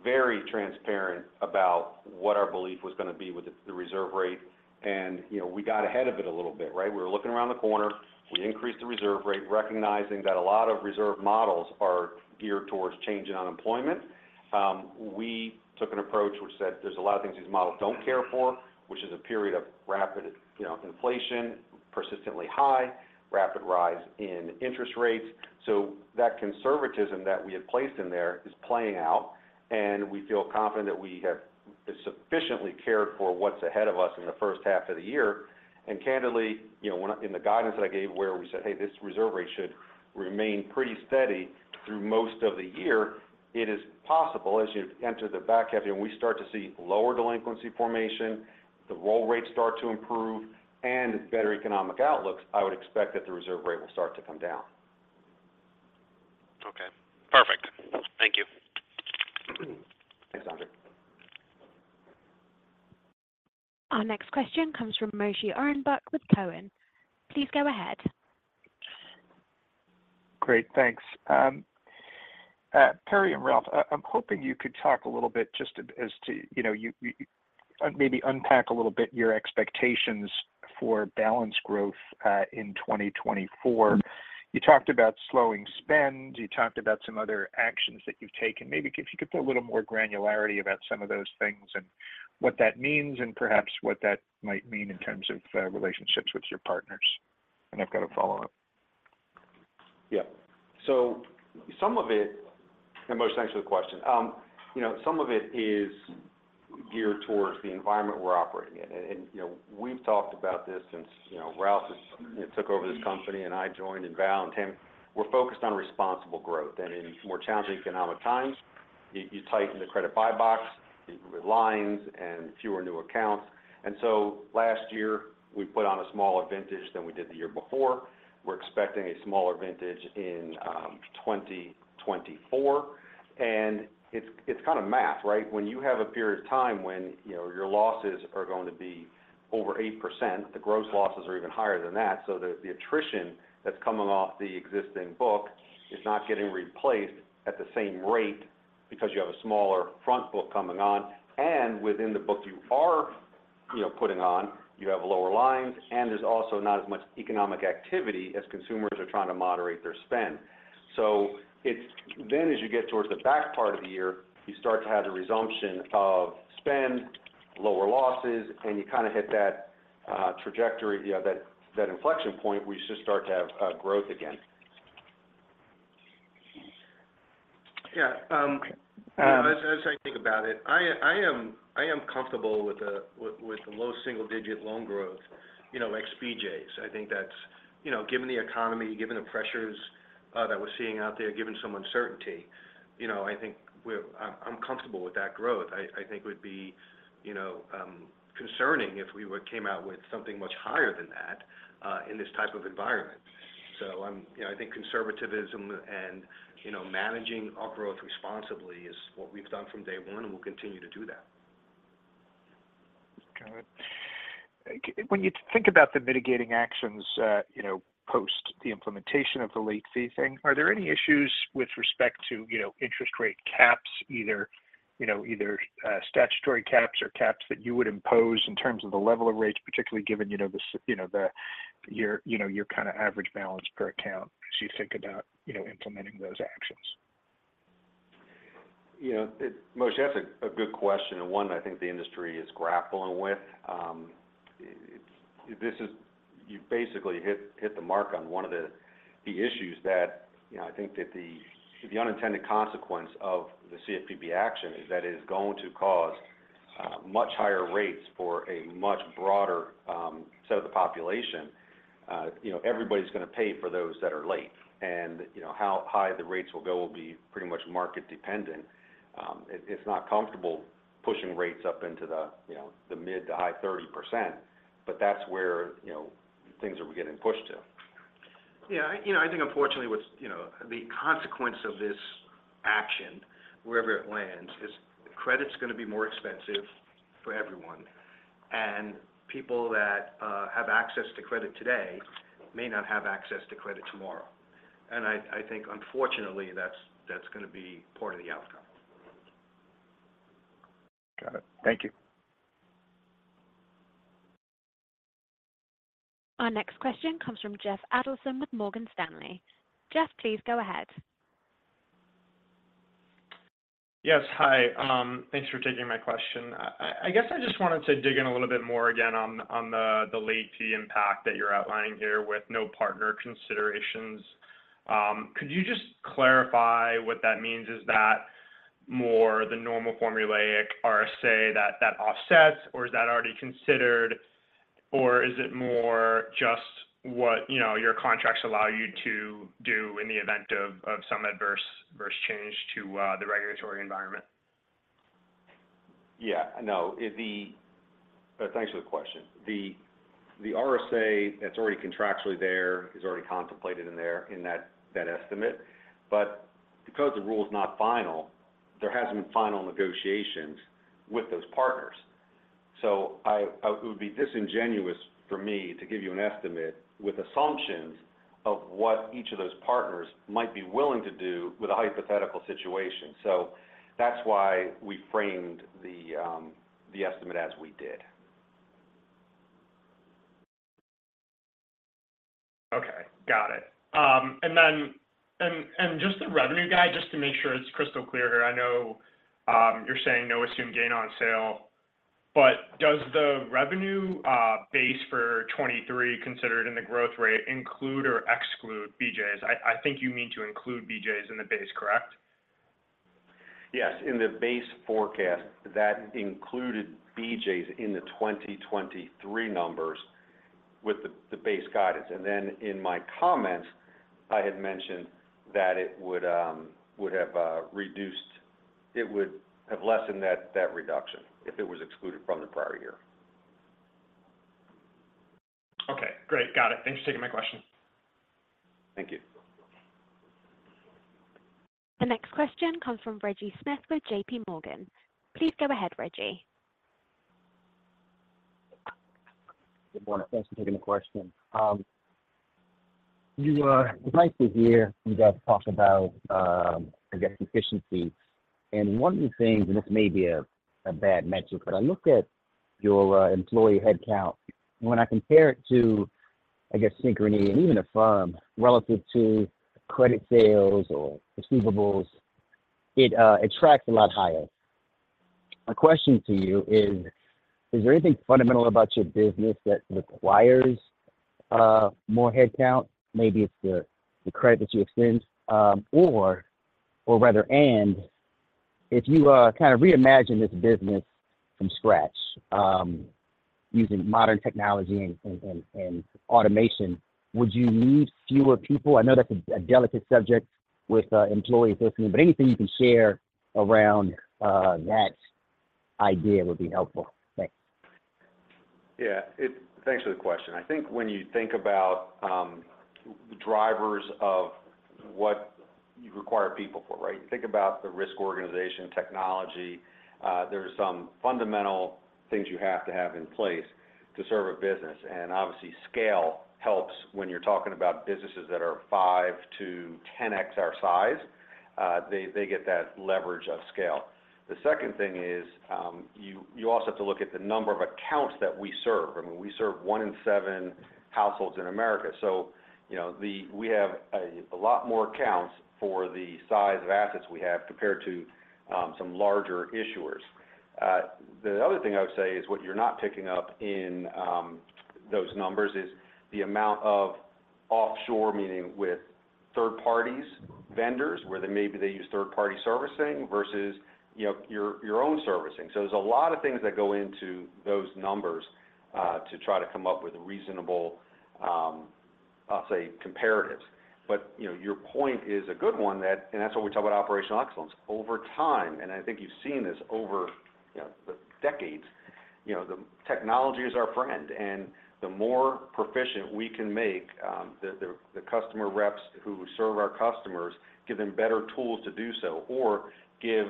very transparent about what our belief was going to be with the reserve rate, and, you know, we got ahead of it a little bit, right? We were looking around the corner. We increased the reserve rate, recognizing that a lot of reserve models are geared towards changing unemployment. We took an approach which said there's a lot of things these models don't care for, which is a period of rapid, you know, inflation, persistently high, rapid rise in interest rates. So that conservatism that we had placed in there is playing out, and we feel confident that we have sufficiently cared for what's ahead of us in the first half of the year. Candidly, you know, when, in the guidance that I gave, where we said, "Hey, this reserve rate should remain pretty steady through most of the year," it is possible, as you enter the back half, and we start to see lower delinquency formation, the roll rates start to improve, and it's better economic outlooks, I would expect that the reserve rate will start to come down. Okay, perfect. Thank you. Thanks, Andrew. Our next question comes from Moshe Orenbuch with Cowen. Please go ahead. Great, thanks. Perry and Ralph, I'm hoping you could talk a little bit just as to maybe unpack a little bit your expectations for balance growth in 2024. You talked about slowing spend, you talked about some other actions that you've taken. Maybe if you could put a little more granularity about some of those things and what that means, and perhaps what that might mean in terms of relationships with your partners. And I've got a follow-up. Yeah. So some of it. And Moshe, thanks for the question. You know, some of it is geared towards the environment we're operating in. And, you know, we've talked about this since, you know, Ralph has took over this company, and I joined, and Val and him, we're focused on responsible growth. And in more challenging economic times you tighten the credit buy box, it with lines and fewer new accounts. And so last year, we put on a smaller vintage than we did the year before. We're expecting a smaller vintage in 2024. And it's kind of math, right? When you have a period of time when you know your losses are going to be over 8%, the gross losses are even higher than that. So the attrition that's coming off the existing book is not getting replaced at the same rate because you have a smaller front book coming on, and within the book you are, you know, putting on, you have lower lines, and there's also not as much economic activity as consumers are trying to moderate their spend. So it's then as you get towards the back part of the year, you start to have the resumption of spend, lower losses, and you kind of hit that trajectory, you know, that inflection point where you just start to have growth again. Yeah, um Um. As I think about it, I am comfortable with the low single-digit loan growth, you know, ex BJ's. I think that's, You know, given the economy, given the pressures that we're seeing out there, given some uncertainty, you know, I think we're- I'm comfortable with that growth. I think it would be, you know, concerning if we would came out with something much higher than that in this type of environment. So I'm- you know, I think conservativism and, you know, managing our growth responsibly is what we've done from day one, and we'll continue to do that. Got it. When you think about the mitigating actions, you know, post the implementation of the late fee thing, are there any issues with respect to, you know, interest rate caps, either, you know, either statutory caps or caps that you would impose in terms of the level of rates, particularly given, you know, the, you know, your kind of average balance per account as you think about, you know, implementing those actions? You know, Moshe, that's a good question and one I think the industry is grappling with. It's this, you basically hit the mark on one of the issues that, you know, I think that the unintended consequence of the CFPB action is that it's going to cause much higher rates for a much broader set of the population. You know, everybody's going to pay for those that are late, and, you know, how high the rates will go will be pretty much market dependent. It's not comfortable pushing rates up into the, you know, the mid- to high-30%, but that's where, you know, things are getting pushed to. Yeah, you know, I think unfortunately, what's, you know, the consequence of this action, wherever it lands, is credit's going to be more expensive for everyone. And people that have access to credit today may not have access to credit tomorrow. And I think unfortunately, that's going to be part of the outcome. Got it. Thank you. Our next question comes from Jeff Adelson with Morgan Stanley. Jeff, please go ahead. Yes, hi. Thanks for taking my question. I guess I just wanted to dig in a little bit more again on the late fee impact that you're outlining here with no partner considerations. Could you just clarify what that means? Is that more the normal formulaic RSA that offsets, or is that already considered? Or is it more just what, you know, your contracts allow you to do in the event of some adverse change to the regulatory environment? Yeah. No, the RSA that's already contractually there is already contemplated in there in that estimate. But because the rule is not final, there hasn't been final negotiations with those partners. So it would be disingenuous for me to give you an estimate with assumptions of what each of those partners might be willing to do with a hypothetical situation. So that's why we framed the estimate as we did. Okay, got it. And then, just the revenue guide, just to make sure it's crystal clear here. I know, you're saying no assumed gain on sale, but does the revenue base for 2023 considered in the growth rate include or exclude BJ's? I think you mean to include BJ's in the base, correct? Yes, in the base forecast that included BJ's in the 2023 numbers with the base guidance. And then in my comments, I had mentioned that it would have lessened that reduction if it was excluded from the prior year. Okay, great. Got it. Thanks for taking my question. Thank you. The next question comes from Reggie Smith with J.P. Morgan. Please go ahead, Reggie. Good morning. Thanks for taking the question. It's nice to hear you guys talk about, I guess, efficiency. And one of the things, and this may be a bad metric, but I looked at your employee headcount, and when I compare it to, I guess, Synchrony and even Affirm, relative to credit sales or receivables, it tracks a lot higher. My question to you is, is there anything fundamental about your business that requires more headcount? Maybe it's the credit that you extend. Or rather, and if you kind of reimagine this business from scratch, using modern technology and automation, would you need fewer people? I know that's a delicate subject with employees listening, but anything you can share around that idea would be helpful. Thanks. Yeah. Thanks for the question. I think when you think about, the drivers of what you require people for, right? You think about the risk organization, technology, there's some fundamental things you have to have in place to serve a business. And obviously, scale helps when you're talking about businesses that are 5 to 10x our size. They, they get that leverage of scale. The second thing is, you, you also have to look at the number of accounts that we serve. I mean, we serve one in seven households in America. So you know, we have a, a lot more accounts for the size of assets we have compared to, some larger issuers. The other thing I would say is, what you're not picking up in those numbers is the amount of offshore, meaning with third parties, vendors, where they maybe they use third-party servicing versus, you know, your, your own servicing. So there's a lot of things that go into those numbers to try to come up with a reasonable, I'll say, comparatives. But, you know, your point is a good one, that- and that's what we talk about operational excellence. Over time, and I think you've seen this over, you know, the decades, you know, the technology is our friend. The more proficient we can make the customer reps who serve our customers, give them better tools to do so, or give,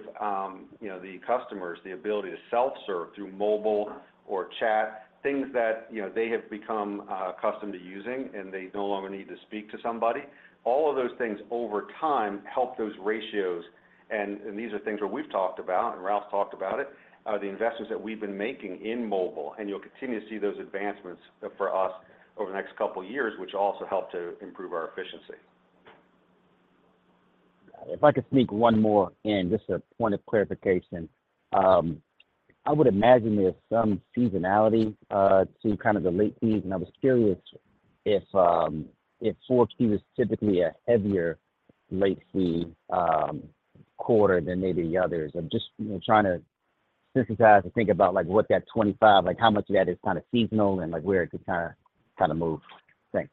you know, the customers the ability to self-serve through mobile or chat, things that, you know, they have become accustomed to using, and they no longer need to speak to somebody. All of those things over time help those ratios, and these are things that we've talked about, and Ralph's talked about it, the investments that we've been making in mobile, and you'll continue to see those advancements for us over the next couple of years, which also help to improve our efficiency. If I could sneak one more in, just a point of clarification. I would imagine there's some seasonality to kind of the late fees, and I was curious if 4Q is typically a heavier late fee quarter than maybe the others. I'm just, you know, trying to synthesize and think about, like, what that 25—like, how much of that is kind of seasonal and, like, where it could kinda move. Thanks.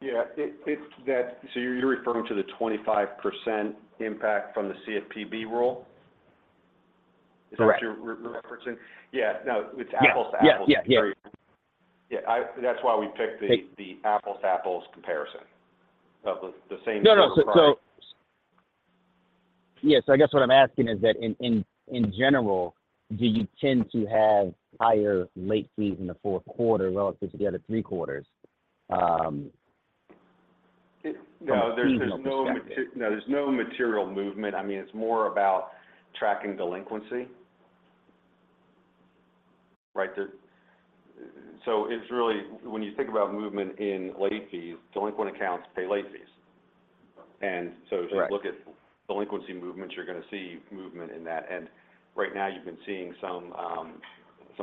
Yeah, it's that. So you're referring to the 25% impact from the CFPB rule? Correct. Is that what you're referencing? Yeah. No, it's apples to apples. Yeah. Yeah, yeah. Yeah, that's why we picked the Right The apples-to-apples comparison of the same source No, no. Yeah, so I guess what I'm asking is that in general, do you tend to have higher late fees in the fourth quarter relative to the other three quarters, from a seasonality perspective? No, there's no material movement. I mean, it's more about tracking delinquency. Right. So it's really, when you think about movement in late fees, delinquent accounts pay late fees. Right. And so Correct f you look at delinquency movements, you're gonna see movement in that. And right now, you've been seeing some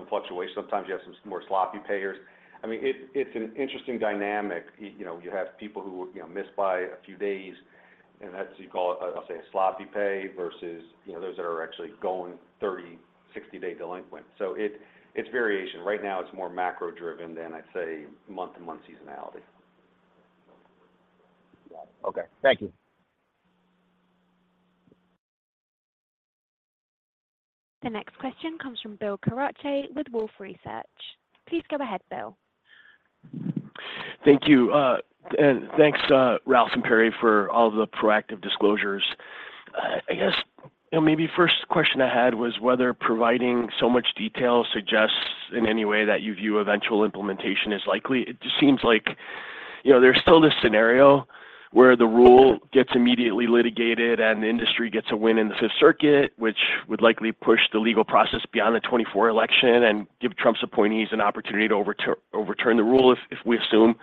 fluctuation. Sometimes you have some more sloppy payers. I mean, it's an interesting dynamic. You know, you have people who, you know, miss by a few days, and that's, you call it, I'll say a sloppy pay versus, you know, those that are actually going 30-, 60-day delinquent. So it's variation. Right now, it's more macro-driven than, I'd say, month-to-month seasonality. Okay. Thank you. The next question comes from Bill Carcache with Wolfe Research. Please go ahead, Bill. Thank you. And thanks, Ralph and Perry, for all the proactive disclosures. I guess, you know, maybe first question I had was whether providing so much detail suggests in any way that you view eventual implementation as likely. It just seems like, you know, there's still this scenario where the rule gets immediately litigated and the industry gets a win in the Fifth Circuit, which would likely push the legal process beyond the 2024 election and give Trump's appointees an opportunity to overturn the rule, if, if we assume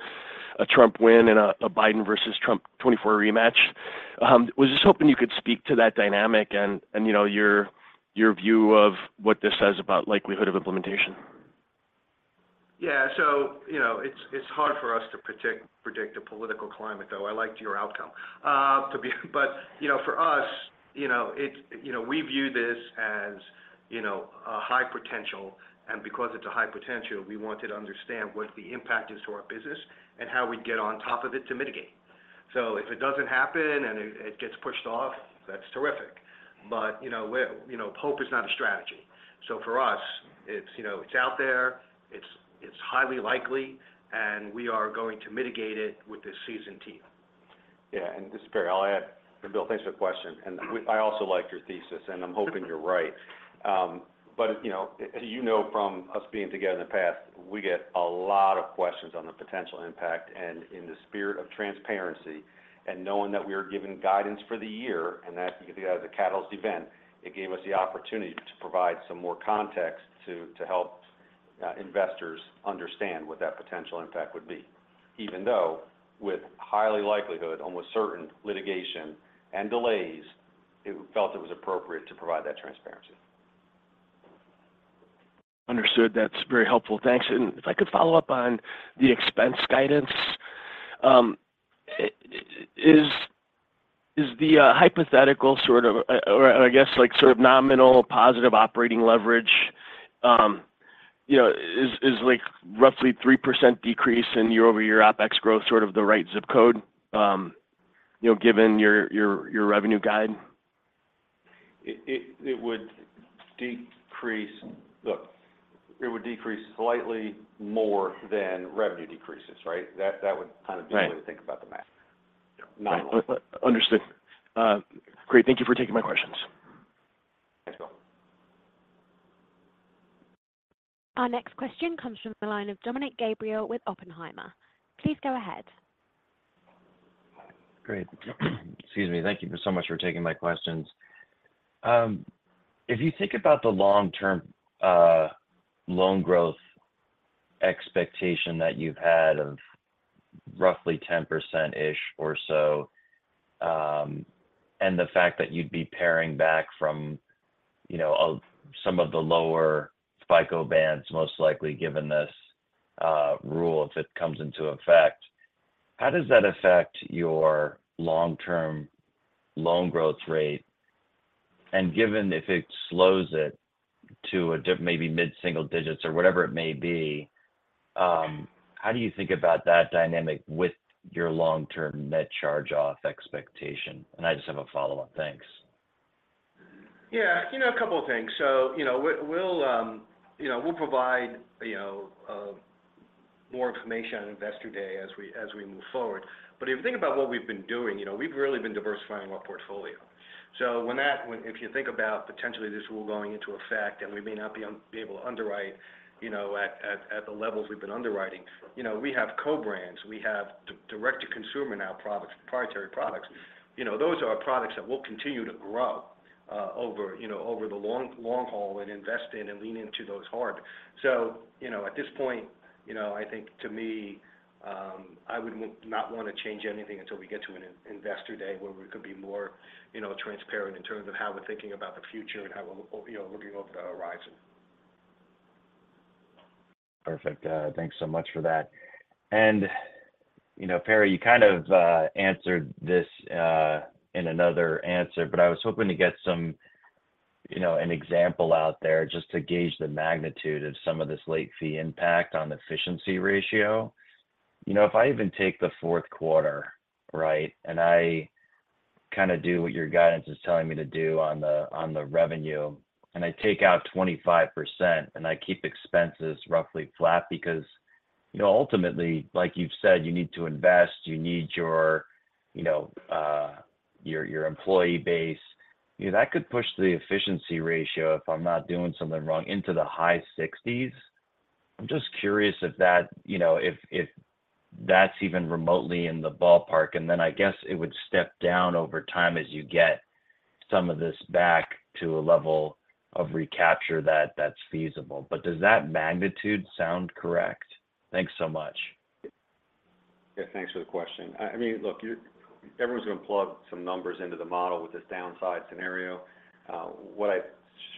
a Trump win and a, a Biden versus Trump 2024 rematch. Was just hoping you could speak to that dynamic and, and, you know, your, your view of what this says about likelihood of implementation. Yeah. So you know, it's hard for us to predict a political climate, though I liked your outcome. But you know, for us, you know, it, you know, we view this as, you know, a high potential, and because it's a high potential, we want to understand what the impact is to our business and how we get on top of it to mitigate. So if it doesn't happen and it gets pushed off, that's terrific. But, you know, hope is not a strategy. So for us, it's out there, it's highly likely, and we are going to mitigate it with this seasoned team. Yeah, and this is Perry. I'll add. And Bill, thanks for the question, and we- I also like your thesis, and I'm hoping you're right. But, you know, as you know from us being together in the past, we get a lot of questions on the potential impact, and in the spirit of transparency and knowing that we are giving guidance for the year, and that, because you have the catalyst event, it gave us the opportunity to provide some more context to help investors understand what that potential impact would be. Even though with high likelihood, almost certain litigation and delays, it felt it was appropriate to provide that transparency. Understood. That's very helpful. Thanks. And if I could follow up on the expense guidance, Is the hypothetical sort of or I guess like sort of nominal positive operating leverage, you know, is like roughly 3% decrease in year-over-year OpEx growth, sort of the right zip code, you know, given your revenue guide? It would decrease. Look, it would decrease slightly more than revenue decreases, right? That would kind of Right be the way to think about the math. Got it. Understood. Great. Thank you for taking my questions. Thanks, Bill. Our next question comes from the line of Dominick Gabriele with Oppenheimer. Please go ahead. Great. Excuse me. Thank you so much for taking my questions. If you think about the long-term, loan growth expectation that you've had of roughly 10%-ish or so, and the fact that you'd be paring back from, you know, of some of the lower FICO bands, most likely, given this, rule, if it comes into effect, how does that affect your long-term loan growth rate? And given if it slows it to maybe mid-single digits or whatever it may be, how do you think about that dynamic with your long-term net charge-off expectation? And I just have a follow-up. Thanks. Yeah. You know, a couple of things. So, you know, we'll provide, you know, more information on Investor Day as we move forward. But if you think about what we've been doing, you know, we've really been diversifying our portfolio. So if you think about potentially this rule going into effect, and we may not be able to underwrite, you know, at the levels we've been underwriting, you know, we have co-brands, we have direct-to-consumer now products, proprietary products. You know, those are our products that will continue to grow over, you know, over the long, long haul and invest in and lean into those hard. You know, at this point, you know, I think to me, I would not want to change anything until we get to an Investor Day where we could be more, you know, transparent in terms of how we're thinking about the future and how we're, you know, looking over the horizon. Perfect. Thanks so much for that. And, you know, Perry, you kind of answered this in another answer, but I was hoping to get some, you know, an example out there just to gauge the magnitude of some of this late fee impact on efficiency ratio. You know, if I even take the fourth quarter, right, and I kind of do what your guidance is telling me to do on the revenue, and I take out 25%, and I keep expenses roughly flat, because, you know, ultimately, like you've said, you need to invest, you need your, you know, your employee base. You know, that could push the efficiency ratio, if I'm not doing something wrong, into the high 60s. I'm just curious if that, you know, if that's even remotely in the ballpark, and then I guess it would step down over time as you get some of this back to a level of recapture that's feasible. But does that magnitude sound correct? Thanks so much. Yeah, thanks for the question. I mean, look, you're everyone's going to plug some numbers into the model with this downside scenario. What I'd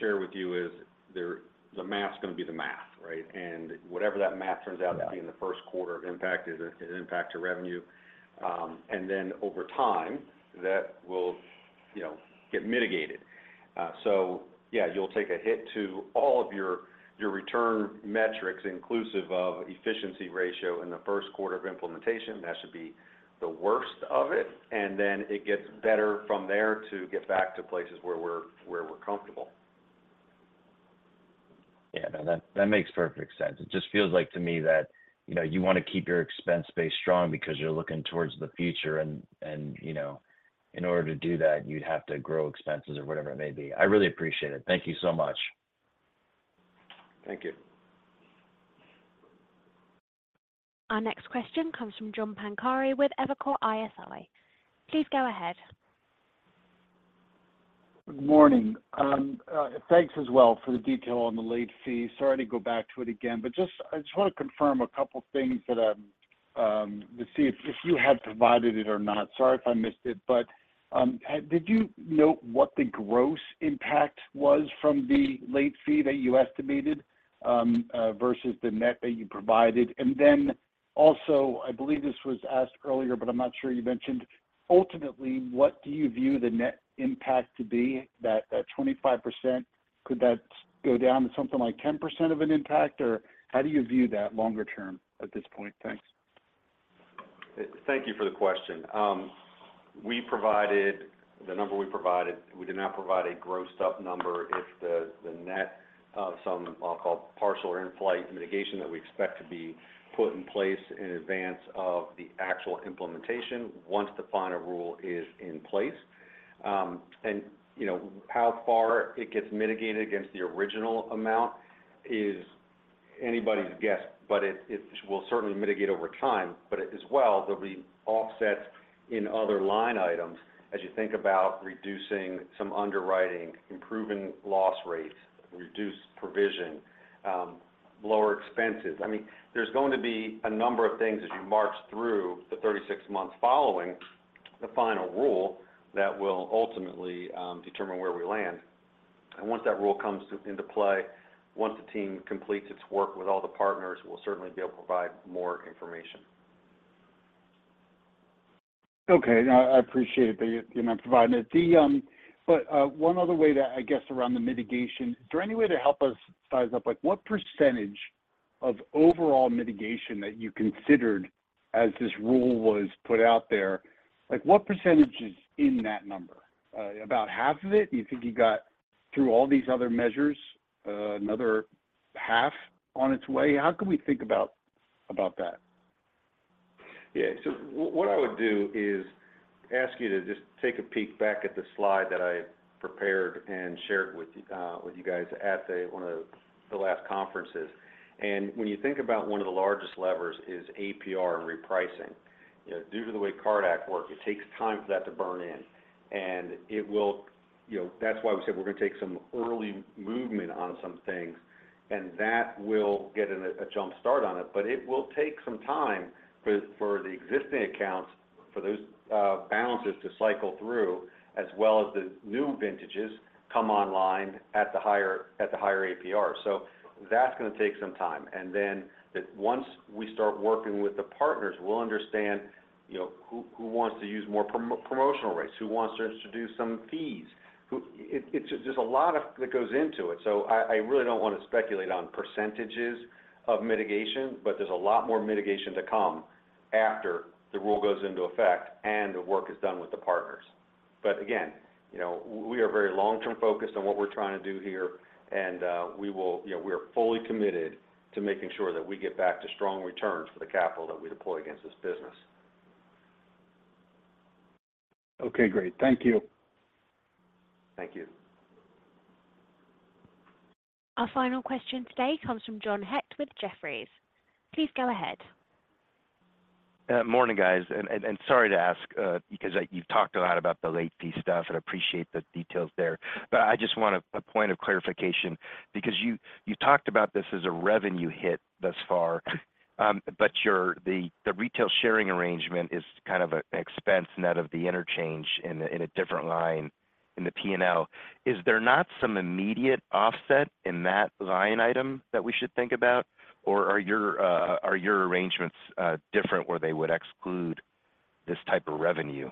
share with you is there. The math is going to be the math, right? And whatever that math turns out to be in the first quarter of impact is an impact to revenue. And then over time, that will, you know, get mitigated. So yeah, you'll take a hit to all of your, your return metrics, inclusive of efficiency ratio in the first quarter of implementation. That should be the worst of it, and then it gets better from there to get back to places where we're, where we're comfortable. Yeah, no, that makes perfect sense. It just feels like to me that, you know, you want to keep your expense base strong because you're looking towards the future and, you know, in order to do that, you'd have to grow expenses or whatever it may be. I really appreciate it. Thank you so much. Thank you. Our next question comes from John Pancari with Evercore ISI. Please go ahead. Good morning. Thanks as well for the detail on the late fee. Sorry to go back to it again, but I just want to confirm a couple of things that, to see if, if you had provided it or not. Sorry if I missed it, but, did you note what the gross impact was from the late fee that you estimated, versus the net that you provided? And then also, I believe this was asked earlier, but I'm not sure you mentioned: Ultimately, what do you view the net impact to be? That 25%, could that go down to something like 10% of an impact, or how do you view that longer term at this point? Thanks. Thank you for the question. We provided, the number we provided, we did not provide a grossed-up number. It's the, the net of some, I'll call, partial or in-flight mitigation that we expect to be put in place in advance of the actual implementation, once the final rule is in place. And, you know, how far it gets mitigated against the original amount is anybody's guess, but it, it will certainly mitigate over time. But as well, there'll be offsets in other line items as you think about reducing some underwriting, improving loss rates, reduced provision, lower expenses. I mean, there's going to be a number of things as you march through the 36 months following the final rule that will ultimately determine where we land. Once that rule comes into play, once the team completes its work with all the partners, we'll certainly be able to provide more information. Okay. I appreciate it, you know, providing it. But, one other way that I guess around the mitigation, is there any way to help us size up, like what percentage of overall mitigation that you considered as this rule was put out there? Like, what percentage is in that number? About half of it, you think you got through all these other measures, another half on its way? How can we think about that? Yeah. So what I would do is ask you to just take a peek back at the slide that I prepared and shared with you with you guys at one of the last conferences. And when you think about one of the largest levers is APR and repricing. You know, due to the way CARD Act work, it takes time for that to burn in, and it will. You know, that's why we said we're going to take some early movement on some things, and that will get in a jump start on it. But it will take some time for the existing accounts, for those balances to cycle through, as well as the new vintages come online at the higher APR. So that's going to take some time. And then once we start working with the partners, we'll understand, you know, who, who wants to use more promotional rates, who wants to introduce some fees, who, It's just a lot of that goes into it. So I really don't want to speculate on percentages of mitigation, but there's a lot more mitigation to come after the rule goes into effect and the work is done with the partners. But again, you know, we are very long-term focused on what we're trying to do here, and we will. You know, we are fully committed to making sure that we get back to strong returns for the capital that we deploy against this business. Okay, great. Thank you. Thank you. Our final question today comes from John Hecht with Jefferies. Please go ahead. Morning, guys. Sorry to ask, because, like, you've talked a lot about the late fee stuff, and I appreciate the details there. But I just want a point of clarification, because you talked about this as a revenue hit thus far, but your retailer sharing arrangement is kind of an expense net of the interchange in a different line in the P&L. Is there not some immediate offset in that line item that we should think about? Or are your arrangements different, where they would exclude this type of revenue?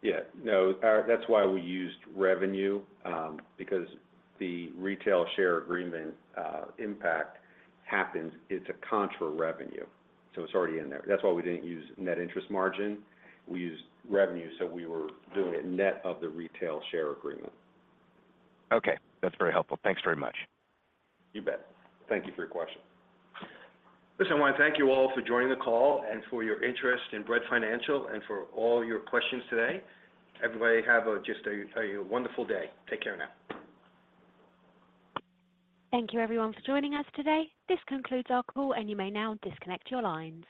Yeah. No, that's why we used revenue, because the retailer share agreement impact happens. It's a contra revenue, so it's already in there. That's why we didn't use net interest margin. We used revenue, so we were doing it net of the retailer share agreement. Okay, that's very helpful. Thanks very much. You bet. Thank you for your question. Listen, I want to thank you all for joining the call and for your interest in Bread Financial and for all your questions today. Everybody, have a wonderful day. Take care now. Thank you, everyone, for joining us today. This concludes our call, and you may now disconnect your lines.